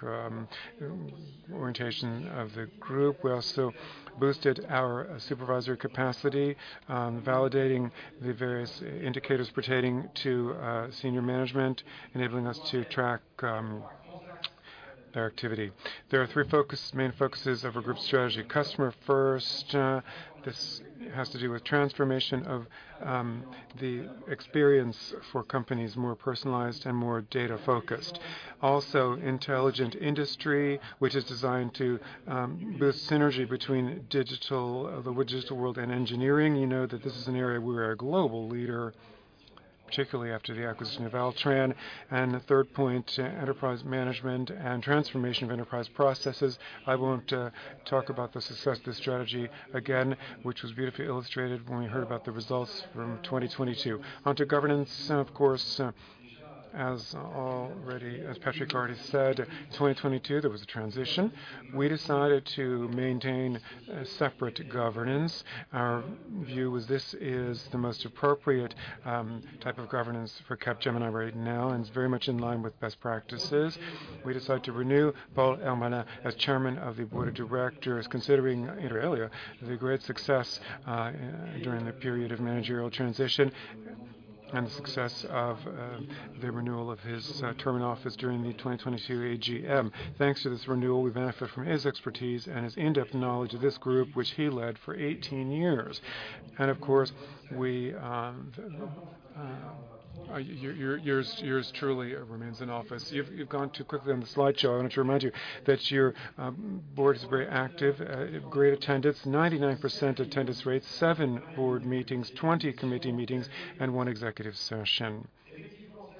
orientation of the group. We also boosted our supervisory capacity, validating the various indicators pertaining to senior management, enabling us to track their activity. There are three main focuses of a group strategy. Customer first. This has to do with transformation of the experience for companies, more personalized and more data-focused. Also, Intelligent Industry, which is designed to boost synergy between digital, the digital world and engineering. You know that this is an area we are a global leader, particularly after the acquisition of Altran. The third point, enterprise management and transformation of enterprise processes. I won't talk about the success of this strategy again, which was beautifully illustrated when we heard about the results from 2022. On to governance. Of course, as Patrick already said, 2022, there was a transition. We decided to maintain a separate governance. Our view was this is the most appropriate type of governance for Capgemini right now, and it's very much in line with best practices. We decided to renew Paul Hermelin as Chairman of the Board of Directors, considering, inter alia, the great success during the period of managerial transition and the success of the renewal of his term in office during the 2022 AGM. Thanks to this renewal, we benefit from his expertise and his in-depth knowledge of this group, which he led for 18 years. Of course, we, yours truly remains in office. You've gone too quickly on the slideshow. I want to remind you that your board is very active. Great attendance, 99% attendance rate, seven board meetings, 20 committee meetings, and one executive session.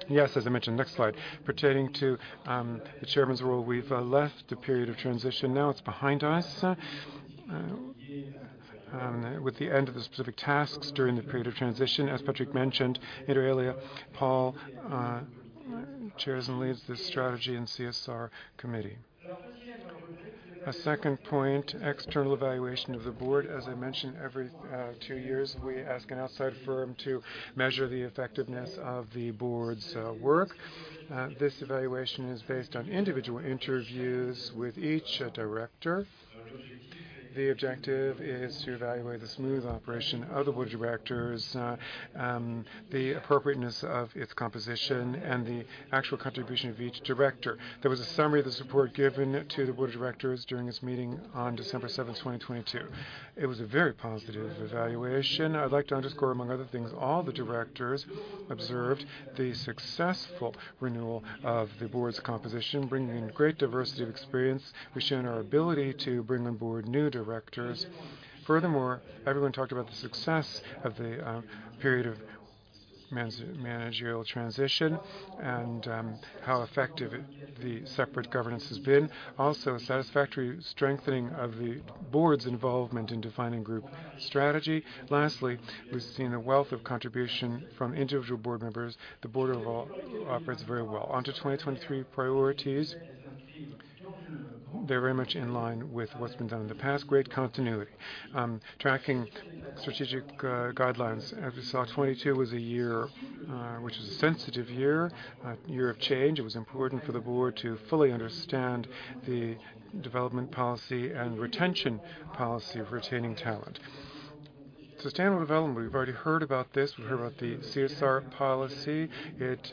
Yes, as I mentioned. Next slide. Pertaining to the chairman's role, we've left the period of transition. Now it's behind us with the end of the specific tasks during the period of transition. As Patrick mentioned, inter alia, Paul chairs and leads the Strategy and CSR Committee. A second point, external evaluation of the Board. As I mentioned, every two years, we ask an outside firm to measure the effectiveness of the Board's work. This evaluation is based on individual interviews with each director. The objective is to evaluate the smooth operation of the Board of Directors, the appropriateness of its composition, and the actual contribution of each director. There was a summary of the support given to the Board of Directors during this meeting on December 7th 2022. It was a very positive evaluation. I'd like to underscore, among other things, all the directors observed the successful renewal of the board's composition, bringing in great diversity of experience. We've shown our ability to bring on board new directors. Furthermore, everyone talked about the success of the period of man-managerial transition and how effective the separate governance has been. Also, satisfactory strengthening of the board's involvement in defining group strategy. Lastly, we've seen a wealth of contribution from individual board members. The board overall operates very well. On to 2023 priorities. They're very much in line with what's been done in the past. Great continuity. Tracking strategic guidelines. As we saw, 2022 was a year which was a sensitive year, a year of change. It was important for the board to fully understand the development policy and retention policy of retaining talent. Sustainable development, we've already heard about this. We've heard about the CSR policy. It,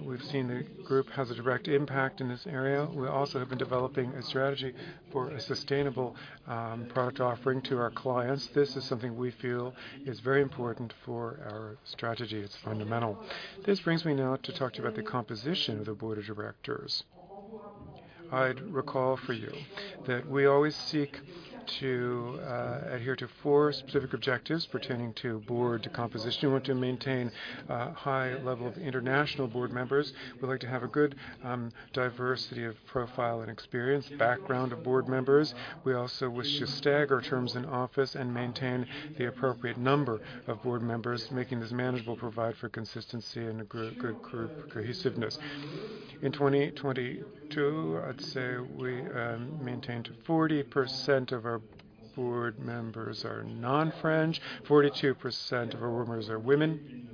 we've seen the group has a direct impact in this area. We also have been developing a strategy for a sustainable product offering to our clients. This is something we feel is very important for our strategy. It's fundamental. This brings me now to talk to you about the composition of the board of directors. I'd recall for you that we always seek to adhere to four specific objectives pertaining to board composition. We want to maintain a high level of international board members. We like to have a good diversity of profile and experience, background of board members. We also wish to stagger terms in office and maintain the appropriate number of board members, making this manageable, provide for consistency and a good group cohesiveness. In 2022, I'd say we maintained 40% of our board members are non-French, 42% of our members are women,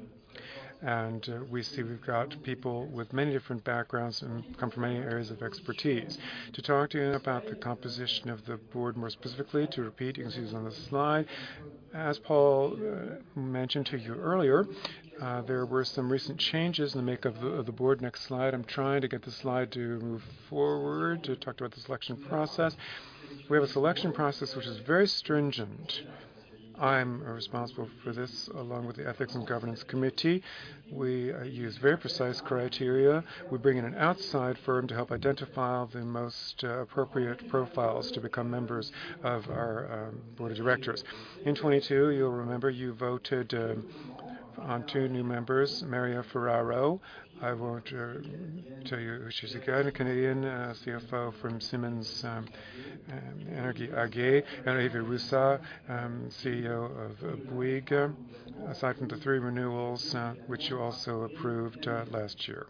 and we see we've got people with many different backgrounds and come from many areas of expertise. To talk to you about the composition of the board, more specifically to repeat, you can see this on the slide. As Paul mentioned to you earlier, there were some recent changes in the make of the board. Next slide. I'm trying to get the slide to move forward to talk about the selection process. We have a selection process which is very stringent. I'm responsible for this along with the Ethics and Governance Committee. We use very precise criteria. We bring in an outside firm to help identify the most appropriate profiles to become members of our board of directors. In 2022, you'll remember you voted On two new members, Maria Ferraro. I won't tell you she's a Canadian, CFO from Siemens Energy AG. Hélène Roussat, CEO of Bouygues. Aside from the three renewals, which you also approved last year.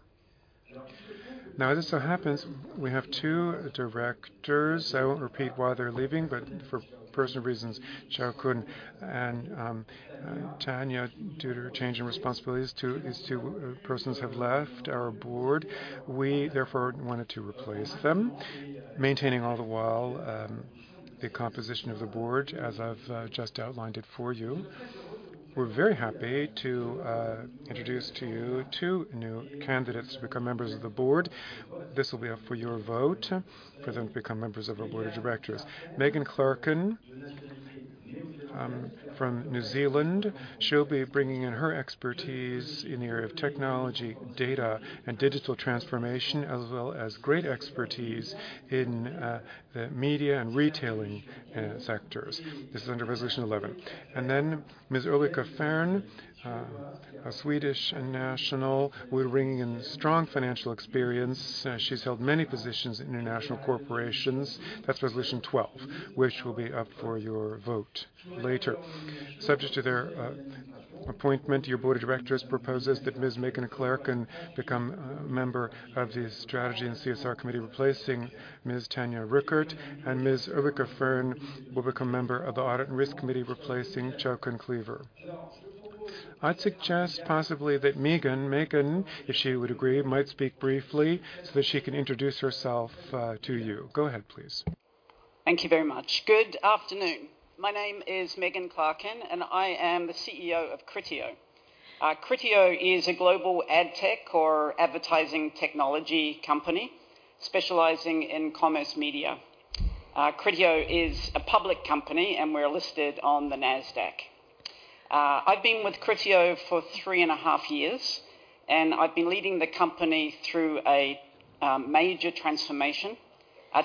As it so happens, we have two directors. I won't repeat why they're leaving, but for personal reasons, Joern and Tania, due to change in responsibilities, these two persons have left our board. We therefore wanted to replace them, maintaining all the while, the composition of the board as I've just outlined it for you. We're very happy to introduce to you two new candidates to become members of the board. This will be up for your vote for them to become members of our board of directors. Megan Clarken, from New Zealand. She'll be bringing in her expertise in the area of technology, data, and digital transformation, as well as great expertise in the media and retailing sectors. This is under Resolution 11. Ms. Ulrika Fearn, a Swedish national, will be bringing in strong financial experience. She's held many positions in international corporations. That's Resolution 12, which will be up for your vote later. Subject to their appointment, your Board of Directors proposes that Ms. Megan Clarken become a member of the Strategy and CSR Committee, replacing Ms. Tanja Rueckert, and Ms. Ulrika Fearn will become member of the Audit and Risk Committee, replacing Joern Klever. I'd suggest possibly that Megan, if she would agree, might speak briefly so that she can introduce herself to you. Go ahead, please. Thank you very much. Good afternoon. My name is Megan Clarken. I am the CEO of Criteo. Criteo is a global ad tech or advertising technology company specializing in commerce media. Criteo is a public company. We're listed on the Nasdaq. I've been with Criteo for three and a half years. I've been leading the company through a major transformation,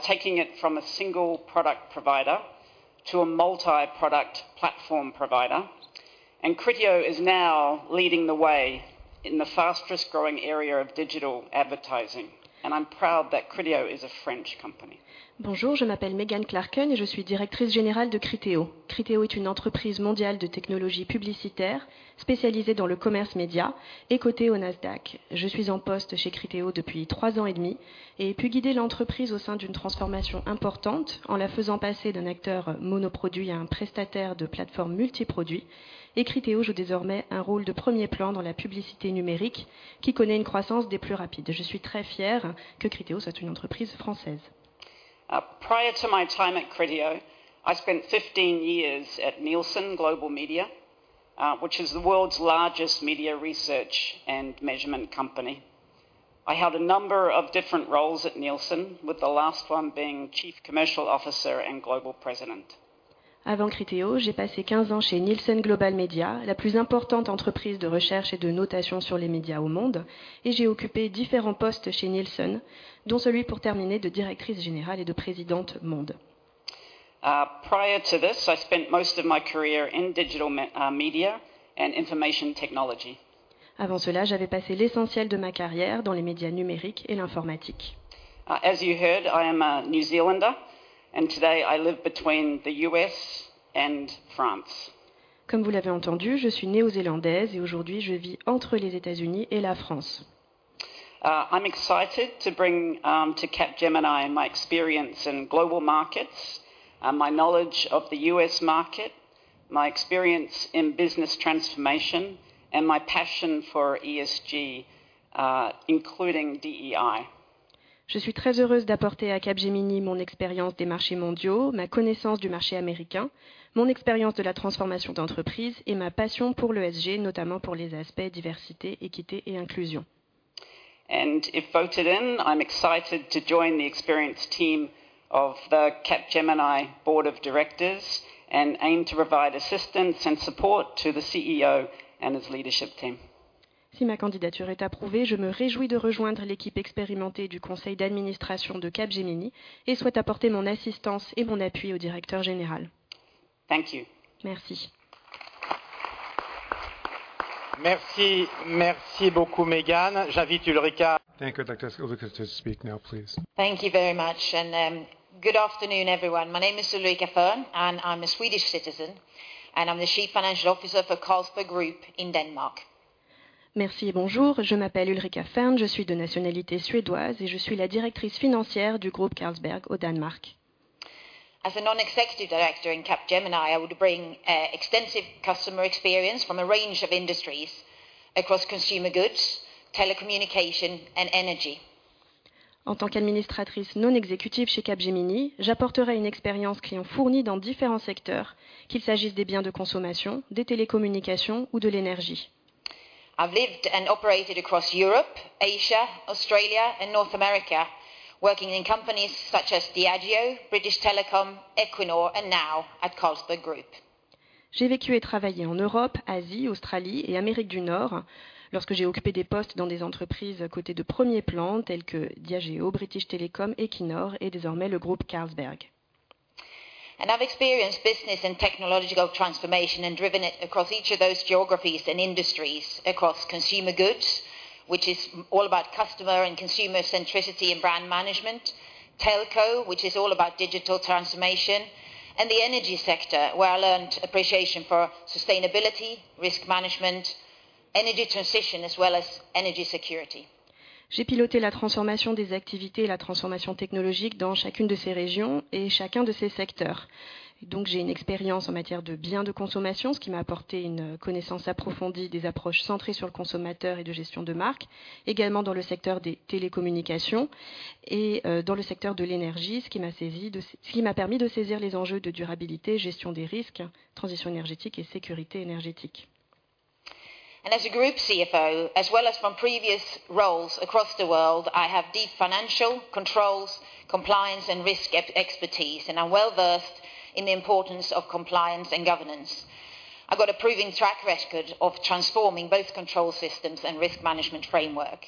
taking it from a single product provider to a multi-product platform provider. Criteo is now leading the way in the fastest-growing area of digital advertising. I'm proud that Criteo is a French company. Prior to my time at Criteo, I spent 15 years at Nielsen Global Media, which is the world's largest media research and measurement company. I held a number of different roles at Nielsen, with the last one being Chief Commercial Officer and Global President. Prior to this, I spent most of my career in digital media and information technology. As you heard, I am a New Zealander, and today I live between the US and France. I'm excited to bring to Capgemini my experience in global markets, my knowledge of the US market, my experience in business transformation, and my passion for ESG, including DEI. If voted in, I'm excited to join the experienced team of the Capgemini Board of Directors and aim to provide assistance and support to the CEO and his leadership team. Thank you. Merci. Merci. Merci beaucoup, Megan. J'invite Ulrika. I think I'd like to ask Ulrika to speak now, please. Thank you very much. Good afternoon, everyone. My name is Ulrika Fern, and I'm a Swedish citizen, and I'm the Chief Financial Officer for Carlsberg Group in Denmark. As a non-executive director in Capgemini, I would bring extensive customer experience from a range of industries across consumer goods, telecommunication, and energy. I've lived and operated across Europe, Asia, Australia, and North America, working in companies such as Diageo, British Telecom, Equinor, and now at Carlsberg Group. I've experienced business and technological transformation and driven it across each of those geographies and industries. Across consumer goods, which is all about customer and consumer centricity and brand management. Telco, which is all about digital transformation, and the energy sector, where I learned appreciation for sustainability, risk management, energy transition, as well as energy security. J'ai piloté la transformation des activités et la transformation technologique dans chacune de ces régions et chacun de ces secteurs. J'ai une expérience en matière de biens de consommation, ce qui m'a apporté une connaissance approfondie des approches centrées sur le consommateur et de gestion de marques, également dans le secteur des télécommunications et dans le secteur de l'énergie, ce qui m'a permis de saisir les enjeux de durabilité, gestion des risques, transition énergétique et sécurité énergétique. As a group CFO, as well as from previous roles across the world, I have deep financial controls, compliance, and risk expertise, and I'm well-versed in the importance of compliance and governance. I've got a proven track record of transforming both control systems and risk management framework.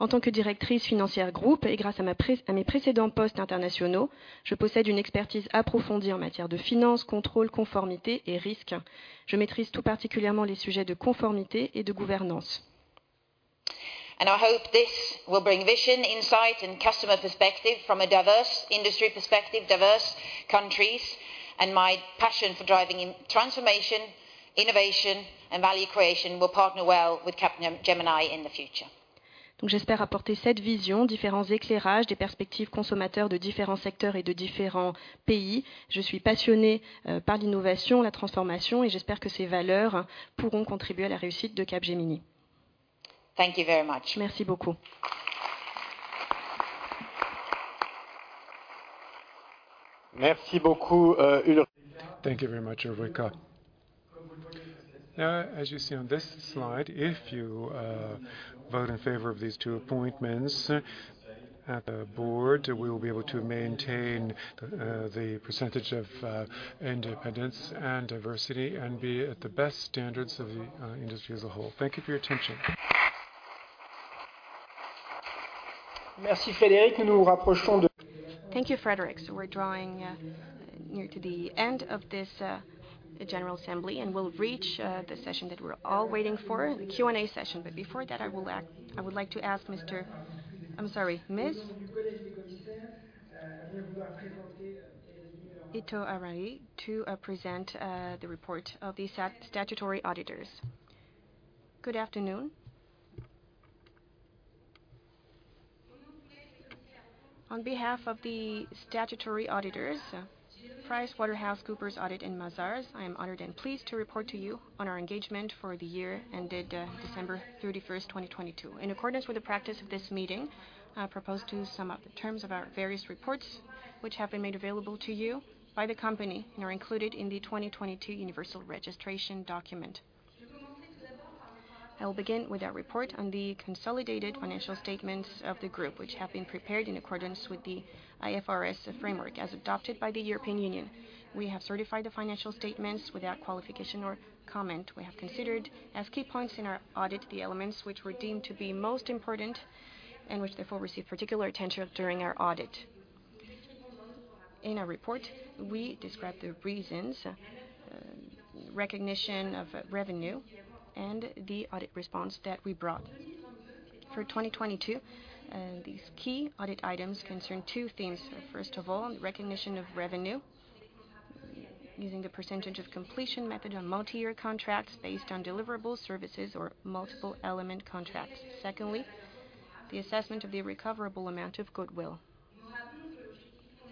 En tant que directrice financière groupe et grâce à mes précédents postes internationaux, je possède une expertise approfondie en matière de finance, contrôle, conformité et risque. Je maîtrise tout particulièrement les sujets de conformité et de gouvernance. I hope this will bring vision, insight, and customer perspective from a diverse industry perspective, diverse countries. My passion for driving in transformation, innovation, and value creation will partner well with Capgemini in the future. j'espère apporter cette vision, différents éclairages des perspectives consommateurs de différents secteurs et de différents pays. Je suis passionnée, par l'innovation, la transformation, et j'espère que ces valeurs pourront contribuer à la réussite de Capgemini. Thank you very much. Merci beaucoup. Merci beaucoup, Ulrika Fern. Thank you very much, Ulrica. As you see on this slide, if you vote in favor of these two appointments at the board, we will be able to maintain the percentage of independence and diversity and be at the best standards of the industry as a whole. Thank you for your attention. Merci Frédéric. Nous nous rapprochons. Thank you, Frederic. We're drawing near to the end of this general assembly, and we'll reach the session that we're all waiting for, the Q&A session. Before that, I would like to ask Miss Ito Arai to present the report of the statutory auditors. Good afternoon. On behalf of the statutory auditors, PricewaterhouseCoopers Audit and Mazars, I am honored and pleased to report to you on our engagement for the year ended, December 31st, 2022. In accordance with the practice of this meeting, I propose to sum up the terms of our various reports which have been made available to you by the company and are included in the 2022 Universal Registration Document. I will begin with our report on the consolidated financial statements of the group, which have been prepared in accordance with the IFRS framework as adopted by the European Union. We have certified the financial statements without qualification or comment. We have considered as key points in our audit the elements which were deemed to be most important and which therefore received particular attention during our audit. In our report, we describe the reasons, recognition of revenue and the audit response that we brought. For 2022, these key audit items concern two themes. First of all, recognition of revenue using the percentage of completion method on multi-year contracts based on deliverable services or multiple element contracts. Secondly, the assessment of the recoverable amount of goodwill.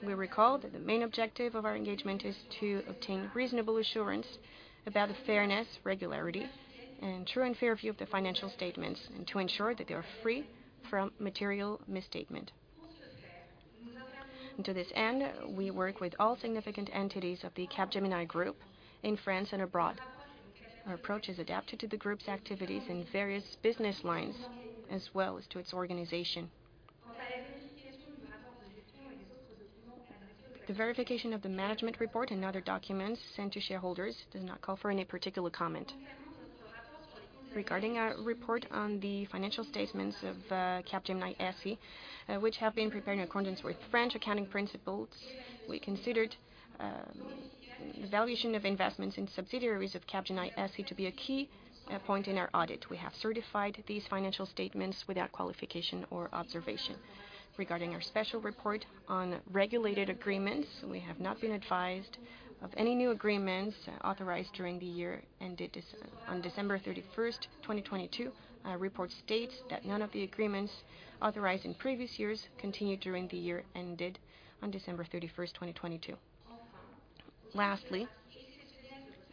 We recall that the main objective of our engagement is to obtain reasonable assurance about the fairness, regularity, and true and fair view of the financial statements, and to ensure that they are free from material misstatement. To this end, we work with all significant entities of the Capgemini Group in France and abroad. Our approach is adapted to the group's activities in various business lines as well as to its organization. The verification of the management report and other documents sent to shareholders does not call for any particular comment. Regarding our report on the financial statements of Capgemini SE, which have been prepared in accordance with French accounting principles, we considered the valuation of investments in subsidiaries of Capgemini SE to be a key point in our audit. We have certified these financial statements without qualification or observation. Regarding our special report on regulated agreements, we have not been advised of any new agreements authorized during the year ended on December 31st 2022. Our report states that none of the agreements authorized in previous years continued during the year ended on December 31st 2022. Lastly,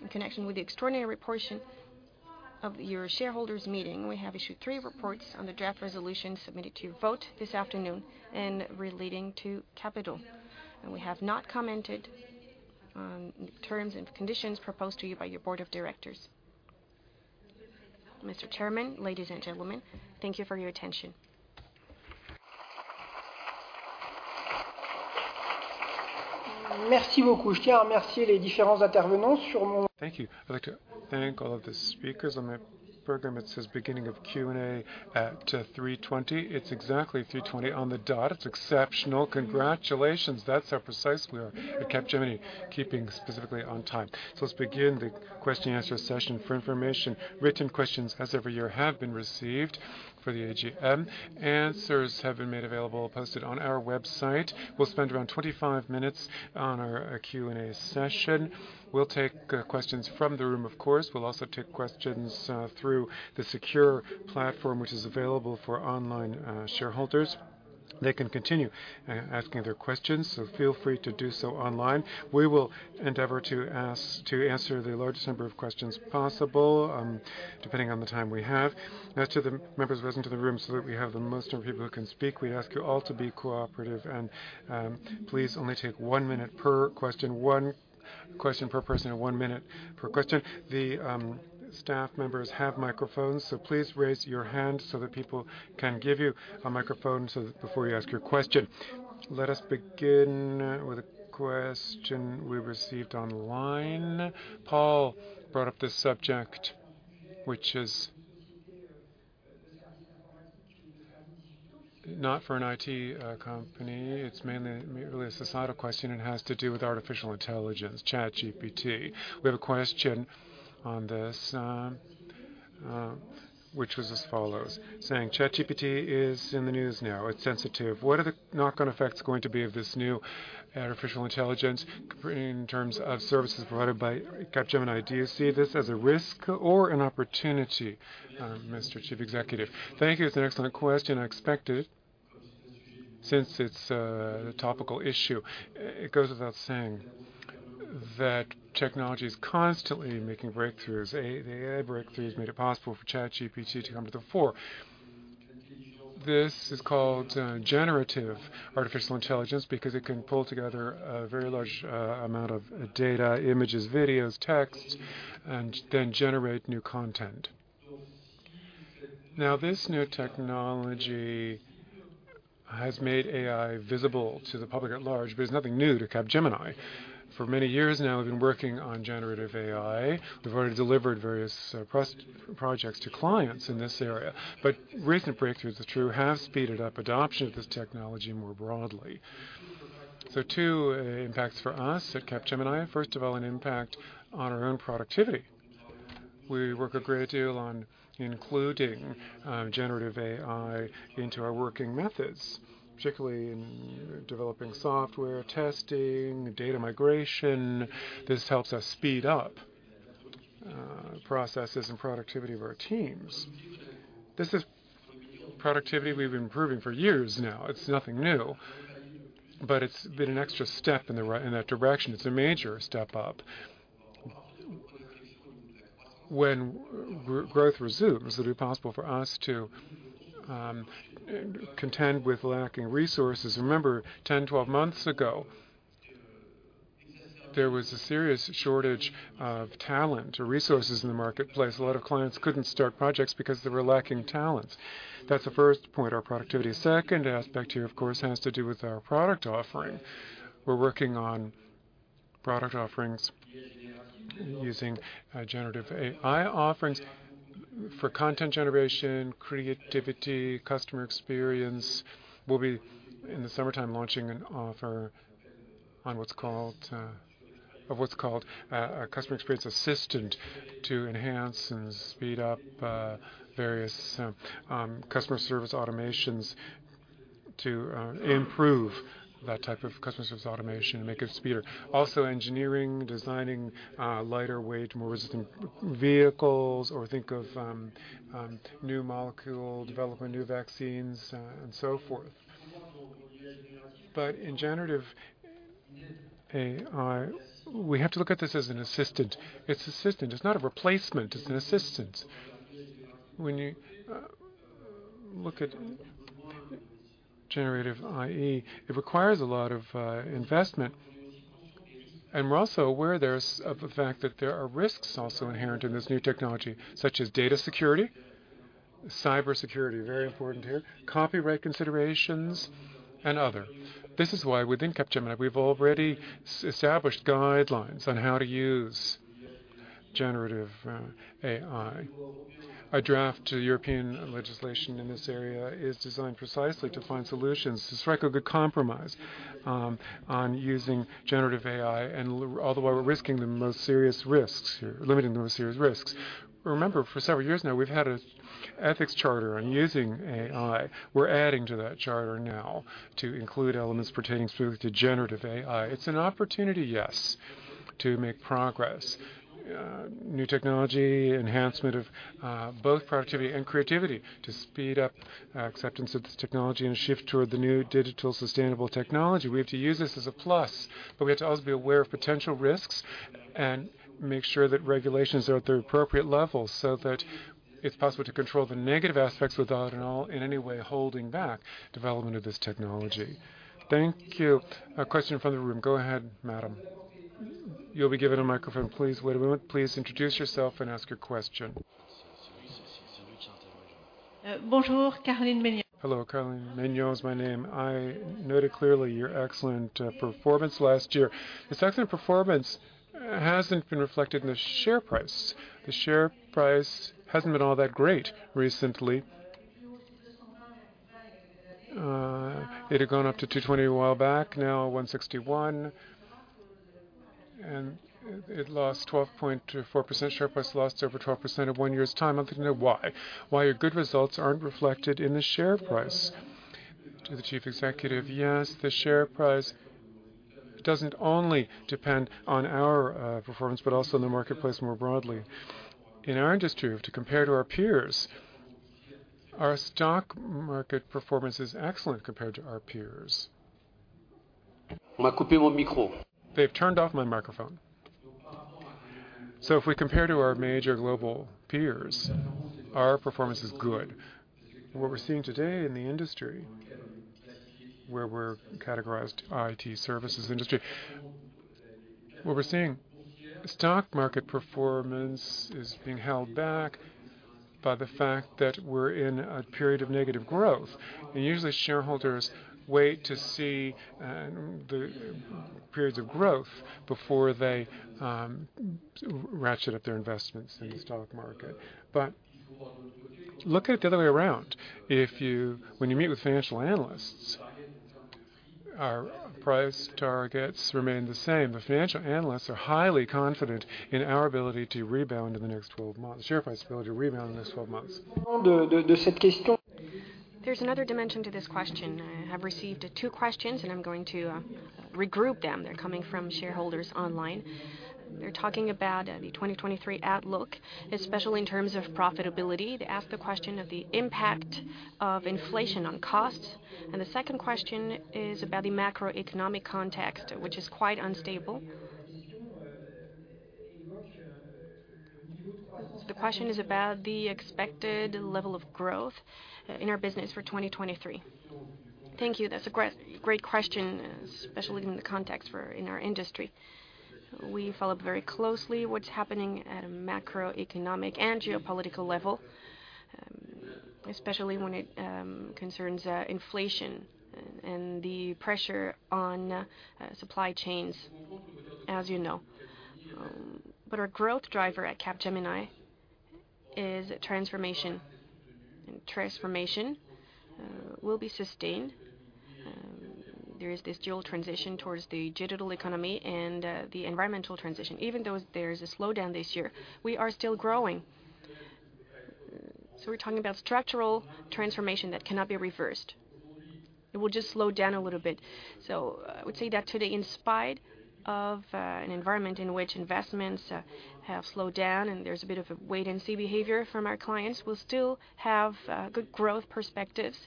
in connection with the extraordinary reportion of your shareholders meeting, we have issued three reports on the draft resolution submitted to your vote this afternoon and relating to capital. We have not commented on terms and conditions proposed to you by your board of directors. Mr. Chairman, ladies and gentlemen, thank you for your attention. Merci beaucoup. Je tiens à remercier les différents intervenants sur. Thank you. I'd like to thank all of the speakers. On the program, it says beginning of Q&A at 3:20. It's exactly 3:20 on the dot. It's exceptional. Congratulations. That's how precise we are at Capgemini, keeping specifically on time. Let's begin the question and answer session. For information, written questions, as every year, have been received for the AGM. Answers have been made available, posted on our website. We'll spend around 25 minutes on our Q&A session. We'll take questions from the room, of course. We'll also take questions through the secure platform which is available for online shareholders. They can continue asking their questions, feel free to do so online. We will endeavor to answer the largest number of questions possible, depending on the time we have. Now, to the members of us into the room, so that we have the most number of people who can speak, we ask you all to be cooperative and please only take one minute per question. one question per person and one minute per question. The staff members have microphones, so please raise your hand so that people can give you a microphone before you ask your question. Let us begin with a question we received online. Paul brought up this subject, which is not for an IT company. It's mainly, really a societal question, and it has to do with artificial intelligence, ChatGPT. We have a question on this, which was as follows, saying, "ChatGPT is in the news now. It's sensitive. What are the knock-on effects going to be of this new artificial intelligence in terms of services provided by Capgemini? Do you see this as a risk or an opportunity?" Mr. Chief Executive. Thank you. It's an excellent question. I expect it since it's a topical issue. It goes without saying that technology is constantly making breakthroughs. The AI breakthrough has made it possible for ChatGPT to come to the fore. This is called generative artificial intelligence because it can pull together a very large amount of data, images, videos, texts, and then generate new content. This new technology has made AI visible to the public at large, but it's nothing new to Capgemini. For many years now, we've been working on generative AI. We've already delivered various projects to clients in this area. Recent breakthroughs, it's true, have speeded up adoption of this technology more broadly. two impacts for us at Capgemini. First of all, an impact on our own productivity. We work a great deal on including generative AI into our working methods, particularly in developing software, testing, data migration. This helps us speed up processes and productivity of our teams. This is productivity we've been improving for years now. It's nothing new, but it's been an extra step in that direction. It's a major step up. When growth resumes, it'll be possible for us to contend with lacking resources. Remember, 10, 12 months ago, there was a serious shortage of talent or resources in the marketplace. A lot of clients couldn't start projects because they were lacking talent. That's the first point, our productivity. Second aspect here, of course, has to do with our product offering. We're working on product offerings using generative AI offerings for content generation, creativity, customer experience. We'll be, in the summertime, launching an offer on what's called a customer experience assistant to enhance and speed up various customer service automations to improve that type of customer service automation and make it speeder. Engineering, designing lighter weight, more resistant vehicles, or think of new molecule development, new vaccines, and so forth. In generative AI, we have to look at this as an assistant. It's assistant. It's not a replacement, it's an assistance. When you look at generative AI, it requires a lot of investment. We're also aware of the fact that there are risks also inherent in this new technology, such as data security, cybersecurity, very important here, copyright considerations, and other. This is why within Capgemini, we've already established guidelines on how to use generative AI. A draft to European legislation in this area is designed precisely to find solutions to strike a good compromise on using generative AI all the while we're risking the most serious risks here, limiting the most serious risks. Remember, for several years now, we've had an ethics charter on using AI. We're adding to that charter now to include elements pertaining specifically to generative AI. It's an opportunity, yes, to make progress. New technology, enhancement of both productivity and creativity to speed up acceptance of this technology and shift toward the new digital sustainable technology. We have to use this as a plus, we have to also be aware of potential risks and make sure that regulations are at the appropriate level so that it's possible to control the negative aspects without at all in any way holding back development of this technology. Thank you. A question from the room. Go ahead, madam. You'll be given a microphone. Please wait a moment. Please introduce yourself and ask your question. bonjour, Caroline Mignon. Hello, Caroline Mignon is my name. I noted clearly your excellent performance last year. This excellent performance hasn't been reflected in the share price. The share price hasn't been all that great recently. It had gone up to 220 a while back, now 161, and it lost 12.4%. Share price lost over 12% in one year's time. I'd like to know why your good results aren't reflected in the share price. To the chief executive, yes, the share price doesn't only depend on our performance, but also in the marketplace more broadly. In our industry, to compare to our peers, our stock market performance is excellent compared to our peers. They've turned off my microphone. If we compare to our major global peers, our performance is good. What we're seeing today in the industry, where we're categorized IT services industry, what we're seeing, stock market performance is being held back by the fact that we're in a period of negative growth. Usually shareholders wait to see the periods of growth before they ratchet up their investments in the stock market. Look at it the other way around. When you meet with financial analysts, our price targets remain the same. The financial analysts are highly confident in our ability to rebound in the next 12 months. The share price is able to rebound in the next 12 months. There's another dimension to this question. I have received two questions. I'm going to regroup them. They're coming from shareholders online. They're talking about the 2023 outlook, especially in terms of profitability. They ask the question of the impact of inflation on costs. The second question is about the macroeconomic context, which is quite unstable. The question is about the expected level of growth in our business for 2023. Thank you. That's a great question, especially given the context for in our industry. We follow up very closely what's happening at a macroeconomic and geopolitical level, especially when it concerns inflation and the pressure on supply chains, as you know. Our growth driver at Capgemini is transformation, and transformation will be sustained. There is this dual transition towards the digital economy and the environmental transition. Even though there is a slowdown this year, we are still growing. We're talking about structural transformation that cannot be reversed. It will just slow down a little bit. I would say that today, in spite of an environment in which investments have slowed down and there's a bit of a wait and see behavior from our clients, we'll still have good growth perspectives.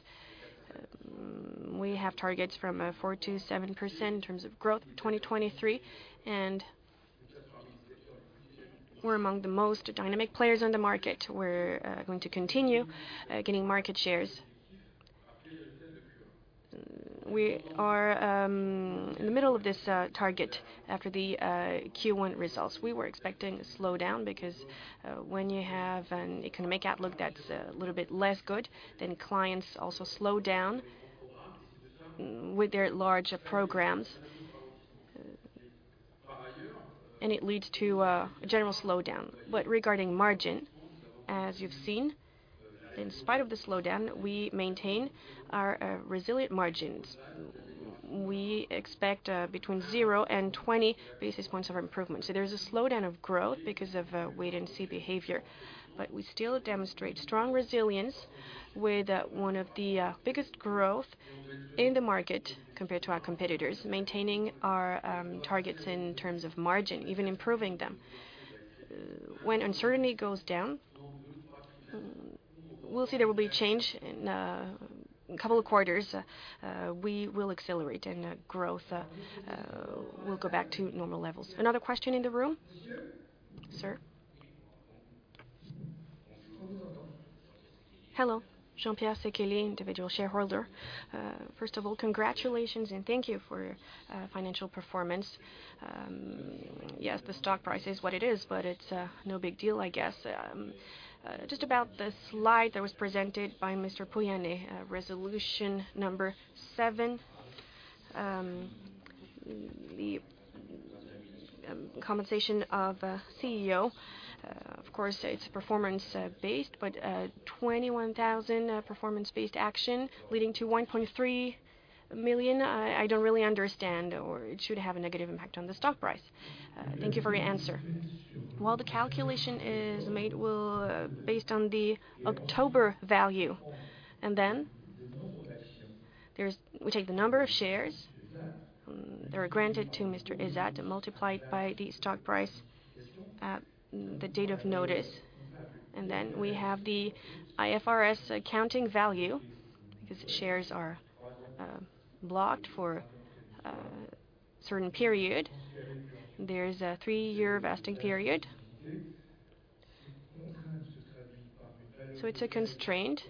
We have targets from 4%-7% in terms of growth 2023, and we're among the most dynamic players on the market. We're going to continue gaining market shares. We are in the middle of this target after the Q1 results. We were expecting a slowdown because when you have an economic outlook that's a little bit less good, then clients also slow down with their large programs. It leads to a general slowdown. Regarding margin, as you've seen, in spite of the slowdown, we maintain our resilient margins. We expect between zero and twenty basis points of improvement. There's a slowdown of growth because of wait and see behavior. We still demonstrate strong resilience with one of the biggest growth in the market compared to our competitors, maintaining our targets in terms of margin, even improving them. When uncertainty goes down, we'll see there will be change in a couple of quarters. We will accelerate, and growth will go back to normal levels. Another question in the room? Sir. Hello. Jean-Pierre Sékaly, individual shareholder. First of all, congratulations and thank you for your financial performance. Yes, the stock price is what it is, but it's no big deal, I guess. Just about the slide that was presented by Mr. Pouyanné, resolution number seven, the compensation of CEO. Of course, it's performance based, but 21,000 performance-based action leading to 1.3 million, I don't really understand or it should have a negative impact on the stock price. Thank you for your answer. Well, the calculation is made based on the October value. Then we take the number of shares that are granted to Mr. Ezzat and multiply it by the stock price at the date of notice. Then we have the IFRS accounting value because shares are blocked for a certain period. There is a three year vesting period. It's a constraint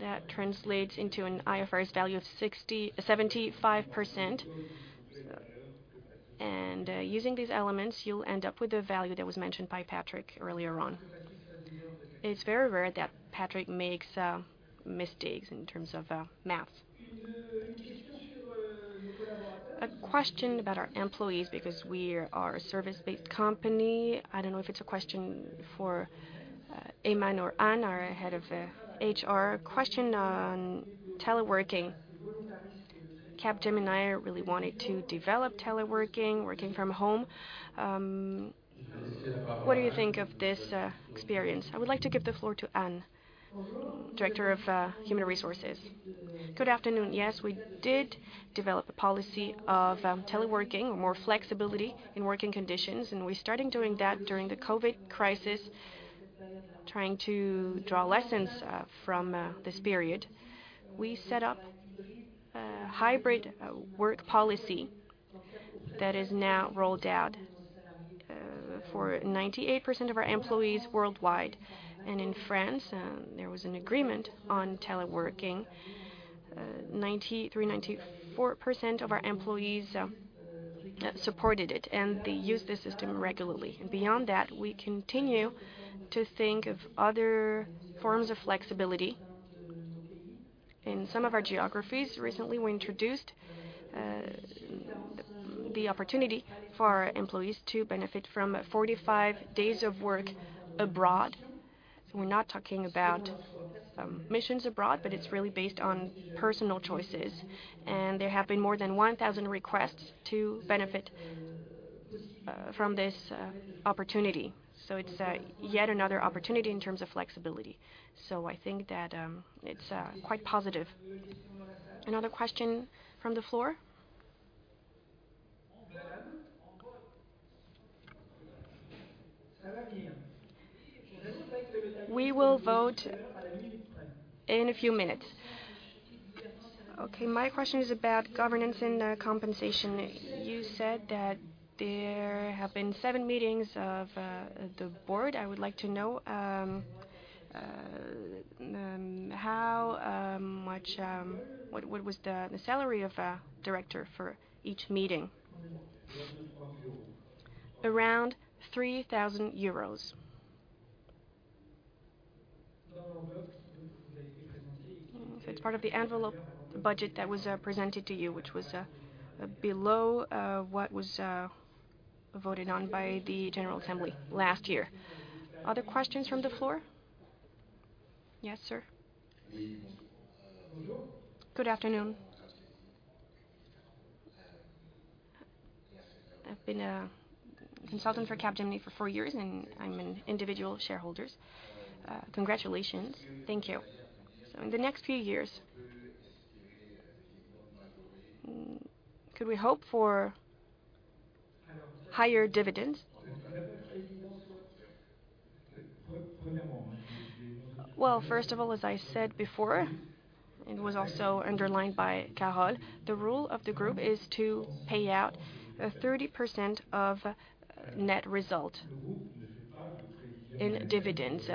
that translates into an IFRS value of 75%. Using these elements, you'll end up with the value that was mentioned by Patrick earlier on. It's very rare that Patrick makes mistakes in terms of math. A question about our employees, because we are a service-based company. I don't know if it's a question for Ayman or Anne, our head of HR. Question on teleworking. Capgemini really wanted to develop teleworking, working from home. What do you think of this experience? I would like to give the floor to Anne, Director of Human Resources. Good afternoon. Yes, we did develop a policy of teleworking, more flexibility in working conditions, and we're starting doing that during the COVID crisis, trying to draw lessons from this period. We set up a hybrid work policy that is now rolled out for 98% of our employees worldwide. In France, there was an agreement on teleworking. 93, 94% of our employees supported it, and they use the system regularly. Beyond that, we continue to think of other forms of flexibility. In some of our geographies recently, we introduced the opportunity for employees to benefit from 45 days of work abroad. We're not talking about missions abroad, but it's really based on personal choices. There have been more than 1,000 requests to benefit from this opportunity. It's yet another opportunity in terms of flexibility. I think that it's quite positive. Another question from the floor. We will vote in a few minutes. Okay. My question is about governance and compensation. You said that there have been seven meetings of the board. I would like to know what was the salary of a director for each meeting? Around 3,000 EUR. It's part of the envelope, the budget that was presented to you, which was below what was voted on by the general assembly last year. Other questions from the floor? Yes, sir. Good afternoon. I've been a consultant for Capgemini for four years, and I'm an individual shareholder. Congratulations. Thank you. In the next few years, could we hope for higher dividends? Well, first of all, as I said before, it was also underlined by Carole Ferrand, the rule of the group is to pay out 30% of net result in dividends.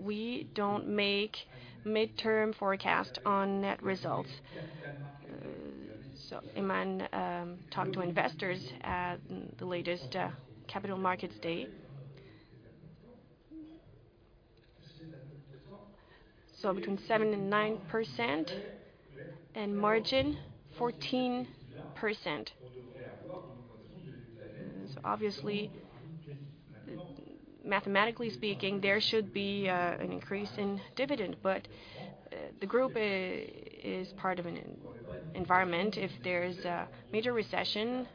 We don't make midterm forecast on net results. Ayman Ezzat talked to investors at the latest capital markets date. Between 7%- 9%, and margin 14%. Obviously, mathematically speaking, there should be an increase in dividend. The group is part of an environment. If there's a major recession,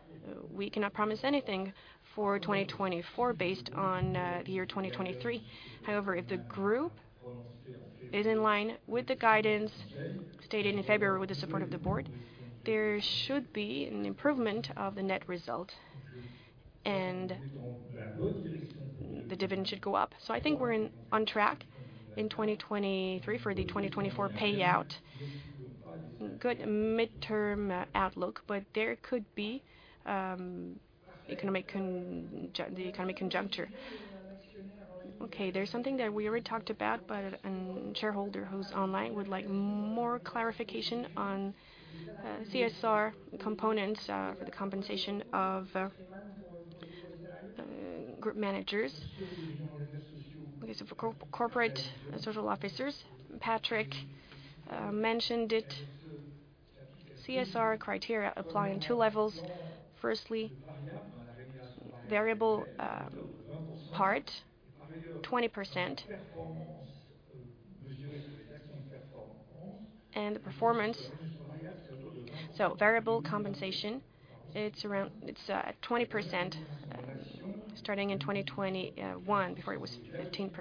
we cannot promise anything for 2024 based on the year 2023. However, if the group is in line with the guidance stated in February with the support of the board, there should be an improvement of the net result and the dividend should go up. I think we're on track in 2023 for the 2024 payout. Good midterm outlook, there could be the economic conjuncture. Okay. There's something that we already talked about, shareholder who's online would like more clarification on CSR components for the compensation of group managers. Okay. For corporate social officers, Patrick mentioned it, CSR criteria apply in two levels. Firstly, variable part, 20%. The performance... Variable compensation, it's 20%, starting in 2021, before it was 15%.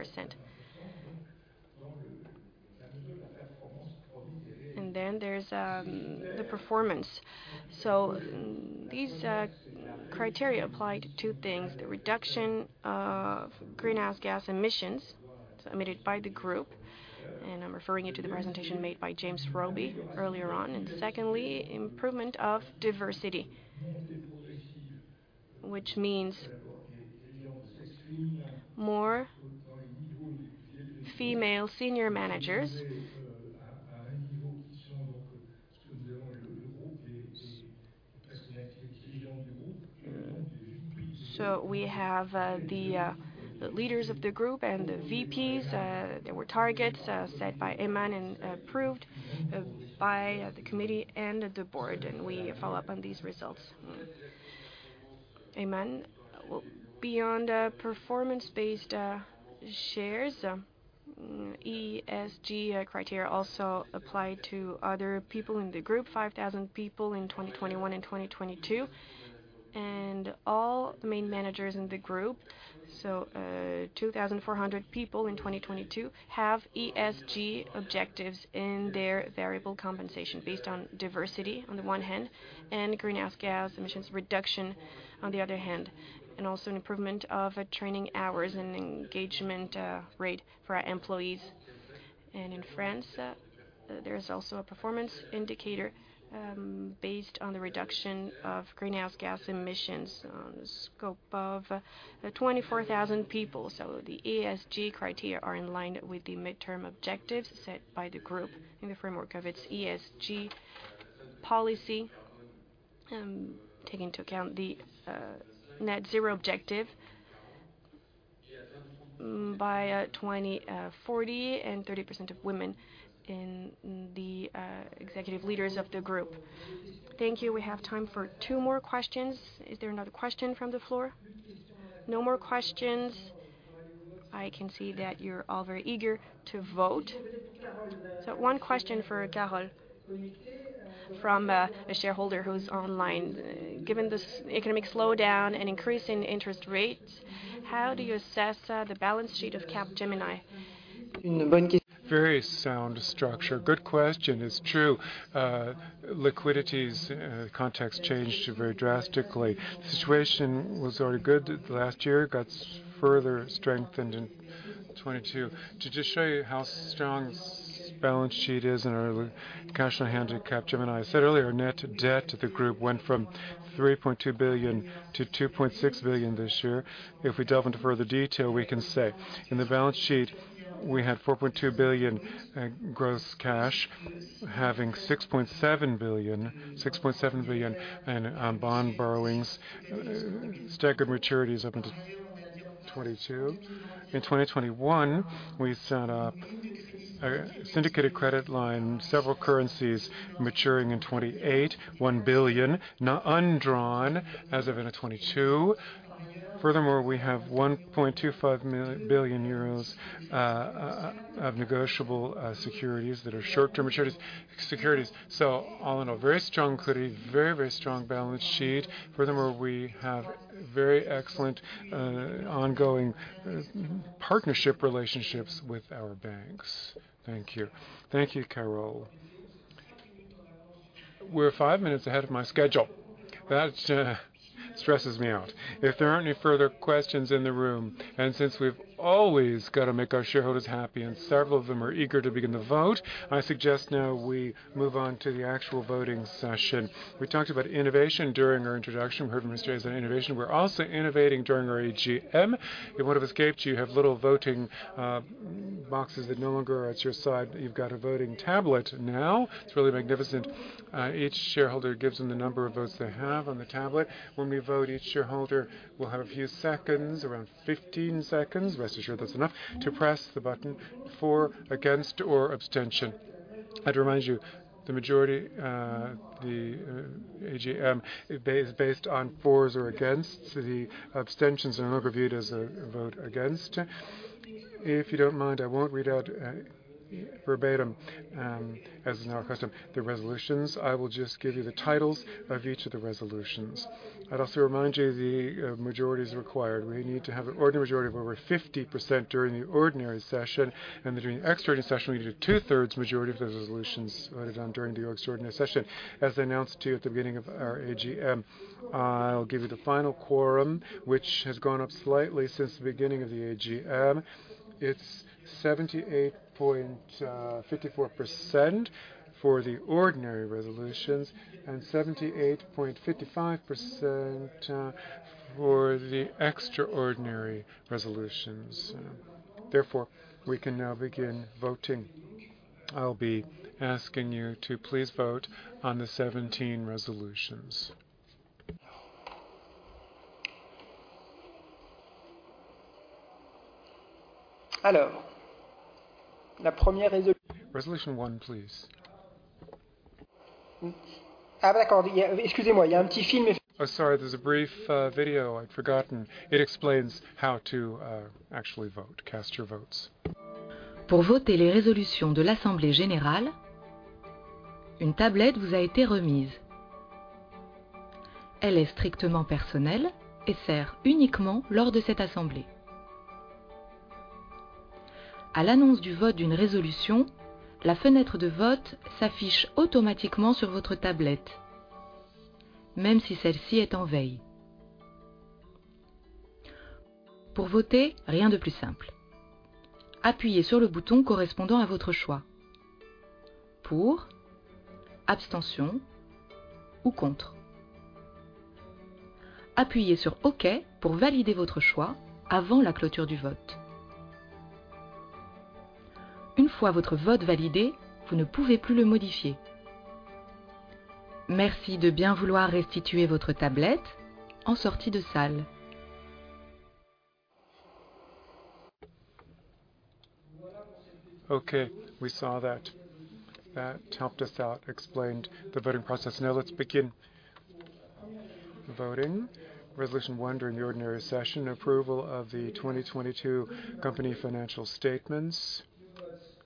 There's the performance. These criteria apply to two things, the reduction of greenhouse gas emissions submitted by the group, and I'm referring you to the presentation made by James Robey earlier on. Secondly, improvement of diversity. Which means more female senior managers. We have the leaders of the group and the VPs. There were targets set by Aiman Ezzat and approved by the committee and the board, and we follow up on these results. Aiman Ezzat? Well, beyond the performance-based shares, ESG criteria also apply to other people in the group, 5,000 people in 2021 and 2022. All the main managers in the group, so, 2,400 people in 2022, have ESG objectives in their variable compensation based on diversity on the one hand, and greenhouse gas emissions reduction on the other hand, and also an improvement of training hours and engagement rate for our employees. In France, there is also a performance indicator, based on the reduction of greenhouse gas emissions on the scope of 24,000 people. The ESG criteria are in line with the midterm objectives set by the group in the framework of its ESG policy, take into account the net zero objective by 2040 and 30% of women in the executive leaders of the group. Thank you. We have time for two more questions. Is there another question from the floor? No more questions. I can see that you're all very eager to vote. one question for Carole from a shareholder who's online. Given this economic slowdown and increase in interest rates, how do you assess the balance sheet of Capgemini? Very sound structure. Good question. It's true. Liquidity's context changed very drastically. The situation was already good last year, got further strengthened in 2022. To just show you how strong balance sheet is in our cash on hand in Capgemini. I said earlier, net debt to the group went from 3.2 billion-2.6 billion this year. If we delve into further detail, we can say in the balance sheet we had 4.2 billion gross cash, having 6.7 billion in bond borrowings, staggered maturities up into 2022. In 2021, we set up a syndicated credit line, several currencies maturing in 2028, 1 billion undrawn as of end of 2022. Furthermore, we have 1.25 billion euros of negotiable securities that are short-term maturities. All in all, very strong liquidity, very strong balance sheet. Furthermore, we have very excellent ongoing partnership relationships with our banks. Thank you. Thank you, Carole. We're five minutes ahead of my schedule. That stresses me out. If there aren't any further questions in the room, since we've always got to make our shareholders happy, several of them are eager to begin the vote, I suggest now we move on to the actual voting session. We talked about innovation during our introduction. We heard from Aiman Ezzat on innovation. We're also innovating during our AGM. It would've escaped you have little voting boxes that no longer are at your side. You've got a voting tablet now. It's really magnificent. Each shareholder gives them the number of votes they have on the tablet. When we vote, each shareholder will have a few seconds, around 15 seconds, rest assured that's enough, to press the button for, against, or abstention. I'd remind you, the majority, the AGM is based on fors or against. The abstentions are overviewed as a vote against. If you don't mind, I won't read out verbatim, as is now our custom, the resolutions. I will just give you the titles of each of the resolutions. I'd also remind you the majority is required. We need to have an ordinary majority of over 50% during the ordinary session, and during the extraordinary session, we need a 2/3 majority of the resolutions voted on during the extraordinary session. As I announced to you at the beginning of our AGM, I'll give you the final quorum, which has gone up slightly since the beginning of the AGM. It's 78.54% for the ordinary resolutions and 78.55% for the extraordinary resolutions. We can now begin voting. I'll be asking you to please vote on the 17 resolutions. Resolution one, please. Oh, sorry, there's a brief video I'd forgotten. It explains how to actually vote, cast your votes. Pour voter, rien de plus simple. Appuyez sur le bouton correspondant à votre choix: pour, abstention ou contre. Appuyez sur OK pour valider votre choix avant la clôture du vote. Une fois votre vote validé, vous ne pouvez plus le modifier. Merci de bien vouloir restituer votre tablette en sortie de salle. Okay, we saw that. That helped us out, explained the voting process. Let's begin voting. Resolution one during the ordinary session approval of the 2022 company financial statements.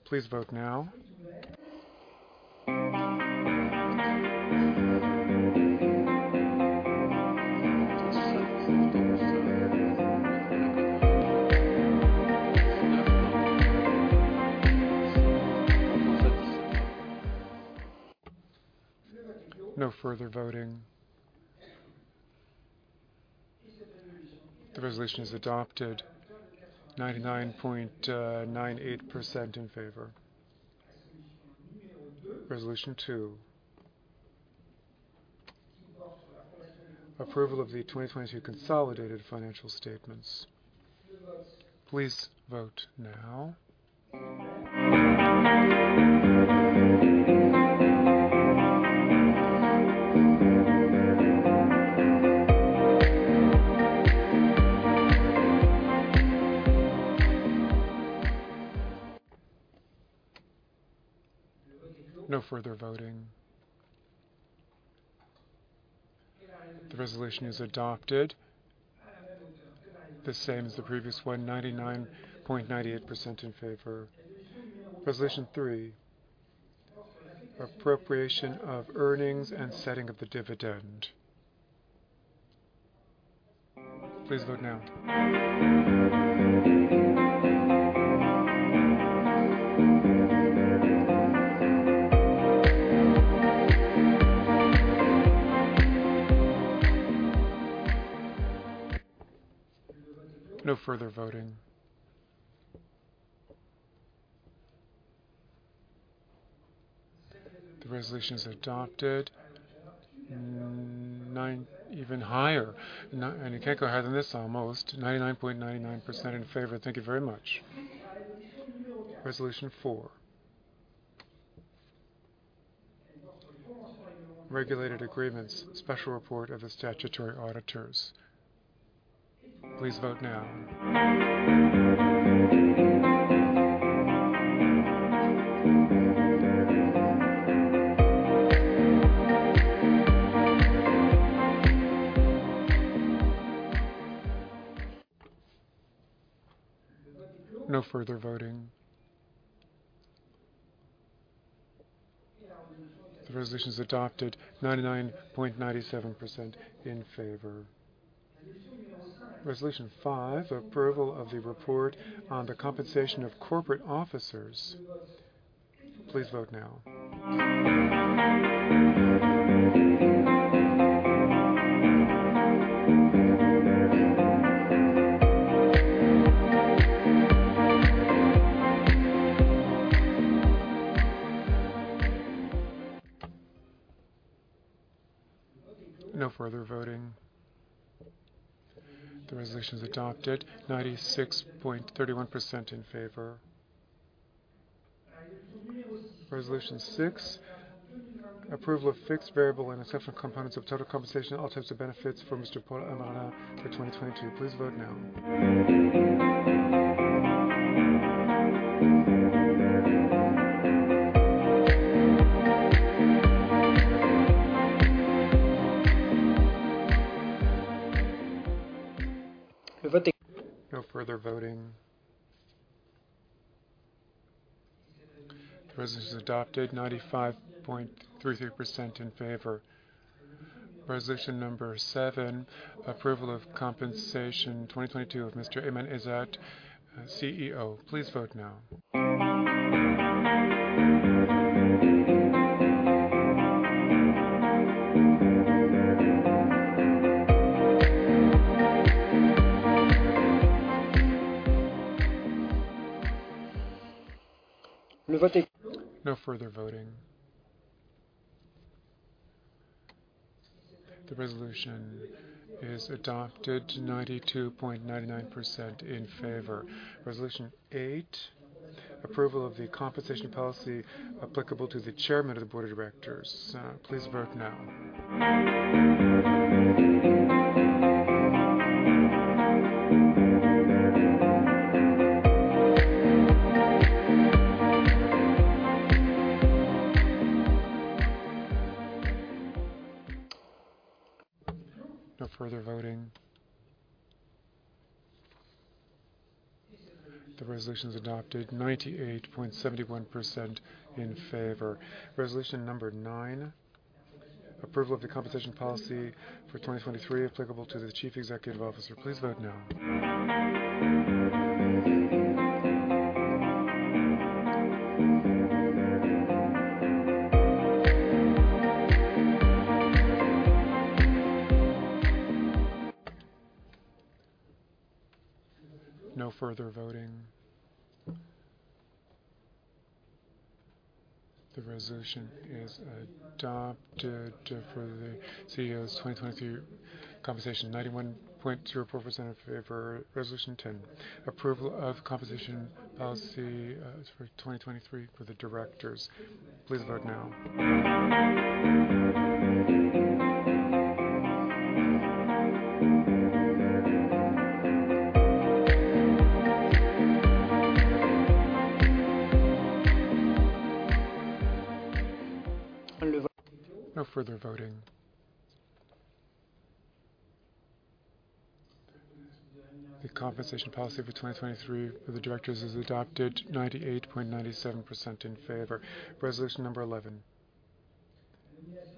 Please vote now. No further voting. The resolution is adopted 99.98% in favor. Resolution two. Approval of the 2022 consolidated financial statements. Please vote now. No further voting. The resolution is adopted the same as the previous one, 99.98% in favor. Resolution thee. Appropriation of earnings and setting of the dividend. Please vote now. No further voting. The resolution is adopted. Even higher. It can't go higher than this almost. 99.99% in favor. Thank you very much. Resolution four. Regulated agreements, special report of the statutory auditors. Please vote now. No further voting. The resolution is adopted 99.97% in favor. Resolution five. Approval of the report on the compensation of corporate officers. Please vote now. No further voting. The resolution is adopted 96.31% in favor. Resolution six. Approval of fixed variable and exceptional components of total compensation, all types of benefits for Mr. Paul Hermelin for 2022. Please vote now. No further voting. The resolution is adopted 95.33% in favor. Resolution seven. Approval of compensation 2022 of Mr. Ayman Ezzat, CEO. Please vote now. No further voting. The resolution is adopted 92.99% in favor. Resolution eight. Approval of the compensation policy applicable to the Chairman of the Board of Directors. Please vote now. No further voting. The resolution is adopted 98.71% in favor. Resolution nine. Approval of the compensation policy for 2023 applicable to the Chief Executive Officer. Please vote now. No further voting. The resolution is adopted for the CEO's 2023 compensation, 91.04% in favor. Resolution 10, approval of compensation policy for 2023 for the directors. Please vote now. No further voting. The compensation policy for 2023 for the directors is adopted, 98.97% in favor. Resolution number 11.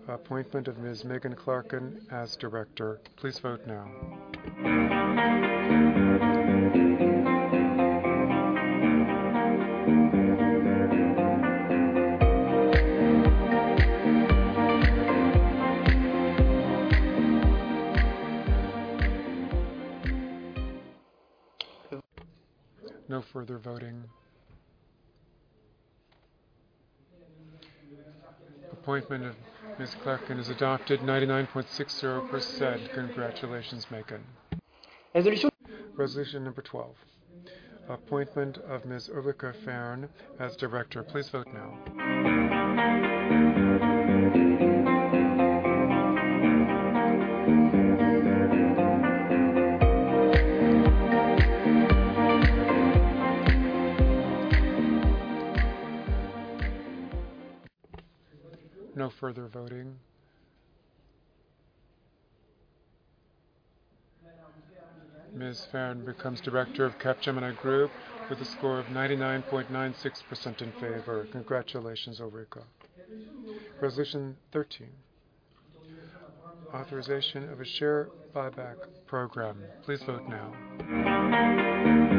Appointment of Ms. Megan Clarken as director. Please vote now. No further voting. Appointment of Ms. Clarken is adopted, 99.60%. Congratulations, Megan. Resolution- Resolution number 12. Appointment of Ms. Ulrica Fearn as director. Please vote now. No further voting. Ms. Fearn becomes director of Capgemini Group with a score of 99.96% in favor. Congratulations, Ulrica. Resolution 13, authorization of a share buyback program. Please vote now.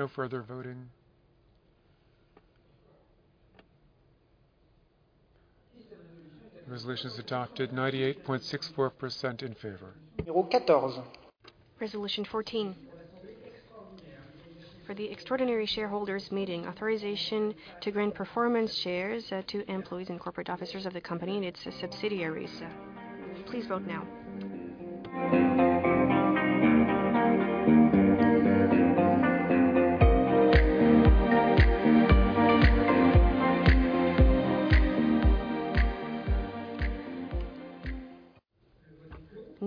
No further voting. Resolution is adopted, 98.64% in favor. Resolution 14, for the extraordinary shareholders meeting authorization to grant performance shares to employees and corporate officers of the company and its subsidiaries. Please vote now.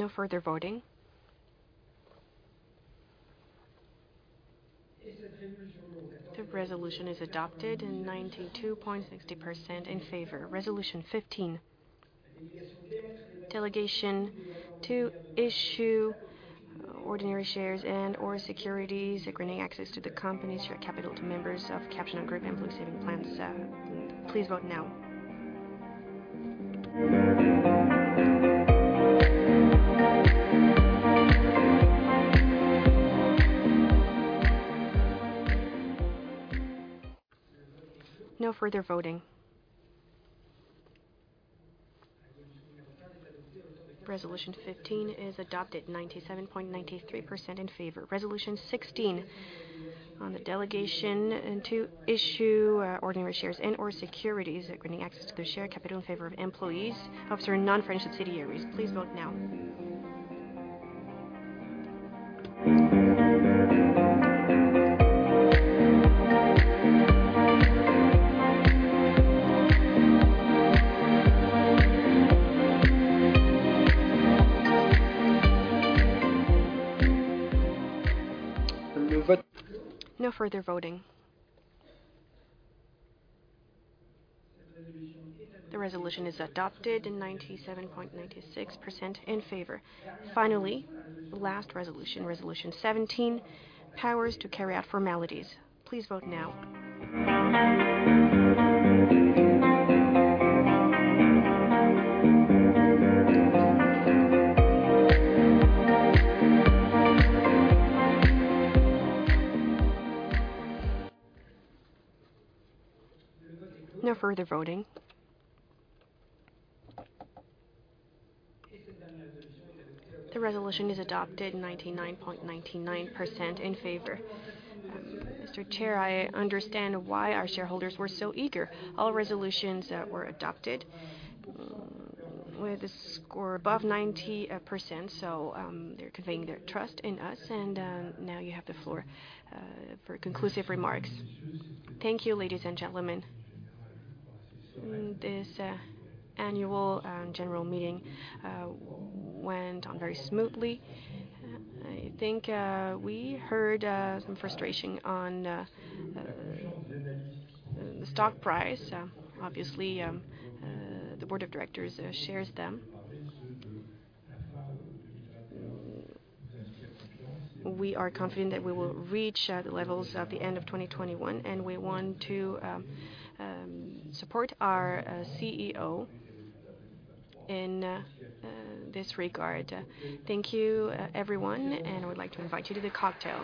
No further voting. The resolution is adopted, 92.60% in favor. Resolution 15, delegation to issue ordinary shares and/or securities granting access to the company's shared capital to members of Capgemini Group employee saving plans. Please vote now. No further voting. Resolution 15 is adopted, 97.93% in favor. Resolution 16 on the delegation and to issue ordinary shares and/or securities granting access to the shared capital in favor of employees of certain non-French subsidiaries. Please vote now. No further voting. The resolution is adopted, 97.96% in favor. Finally, the last resolution, Resolution 17, powers to carry out formalities. Please vote now. No further voting. The resolution is adopted, 99.99% in favor. Mr. Chair, I understand why our shareholders were so eager. All resolutions were adopted with a score above 90%. They're conveying their trust in us, and now you have the floor for conclusive remarks. Thank you, ladies and gentlemen. This annual general meeting went on very smoothly. I think we heard some frustration on the stock price. Obviously, the Board of Directors shares them. We are confident that we will reach the levels at the end of 2021, and we want to support our CEO in this regard. Thank you, everyone, and I would like to invite you to the cocktail.